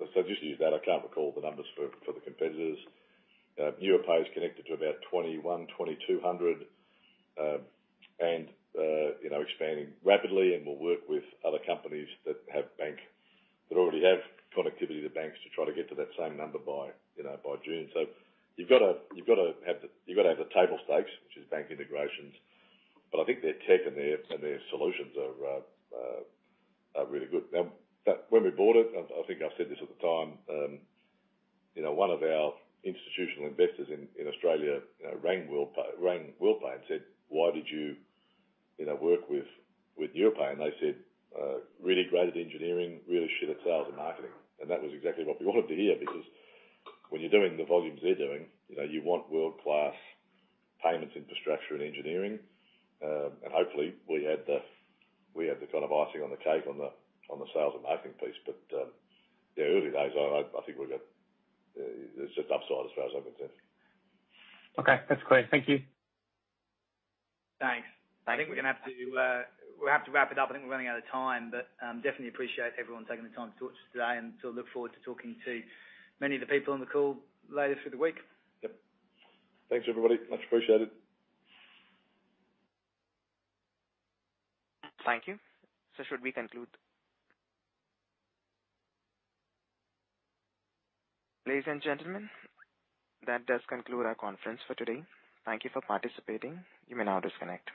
the numbers for the competitors. Just use that. Nuapay is connected to about 2,100-2,200, and you know, expanding rapidly and will work with other companies that already have connectivity to banks to try to get to that same number by June. You've gotta have the table stakes, which is bank integrations. I think their tech and their solutions are really good. Now that when we bought it, I think I've said this at the time, you know, one of our institutional investors in Australia, you know, rang Worldpay and said, "Why did you know, work with Nuapay?" They said, "Really great at engineering, really shit at sales and marketing." That was exactly what we wanted to hear, because when you're doing the volumes they're doing, you know, you want world-class payments infrastructure and engineering. Hopefully we add the kind of icing on the cake on the sales and marketing piece. Yeah, early days. I think we've got, it's just upside as far as I'm concerned. Okay. That's clear. Thank you. Thanks. Thank you. I think we'll have to wrap it up. I think we're running out of time. We definitely appreciate everyone taking the time to talk to us today and so we look forward to talking to many of the people on the call later through the week. Yep. Thanks, everybody. Much appreciated. Thank you. Should we conclude? Ladies and gentlemen, that does conclude our conference for today. Thank you for participating. You may now disconnect.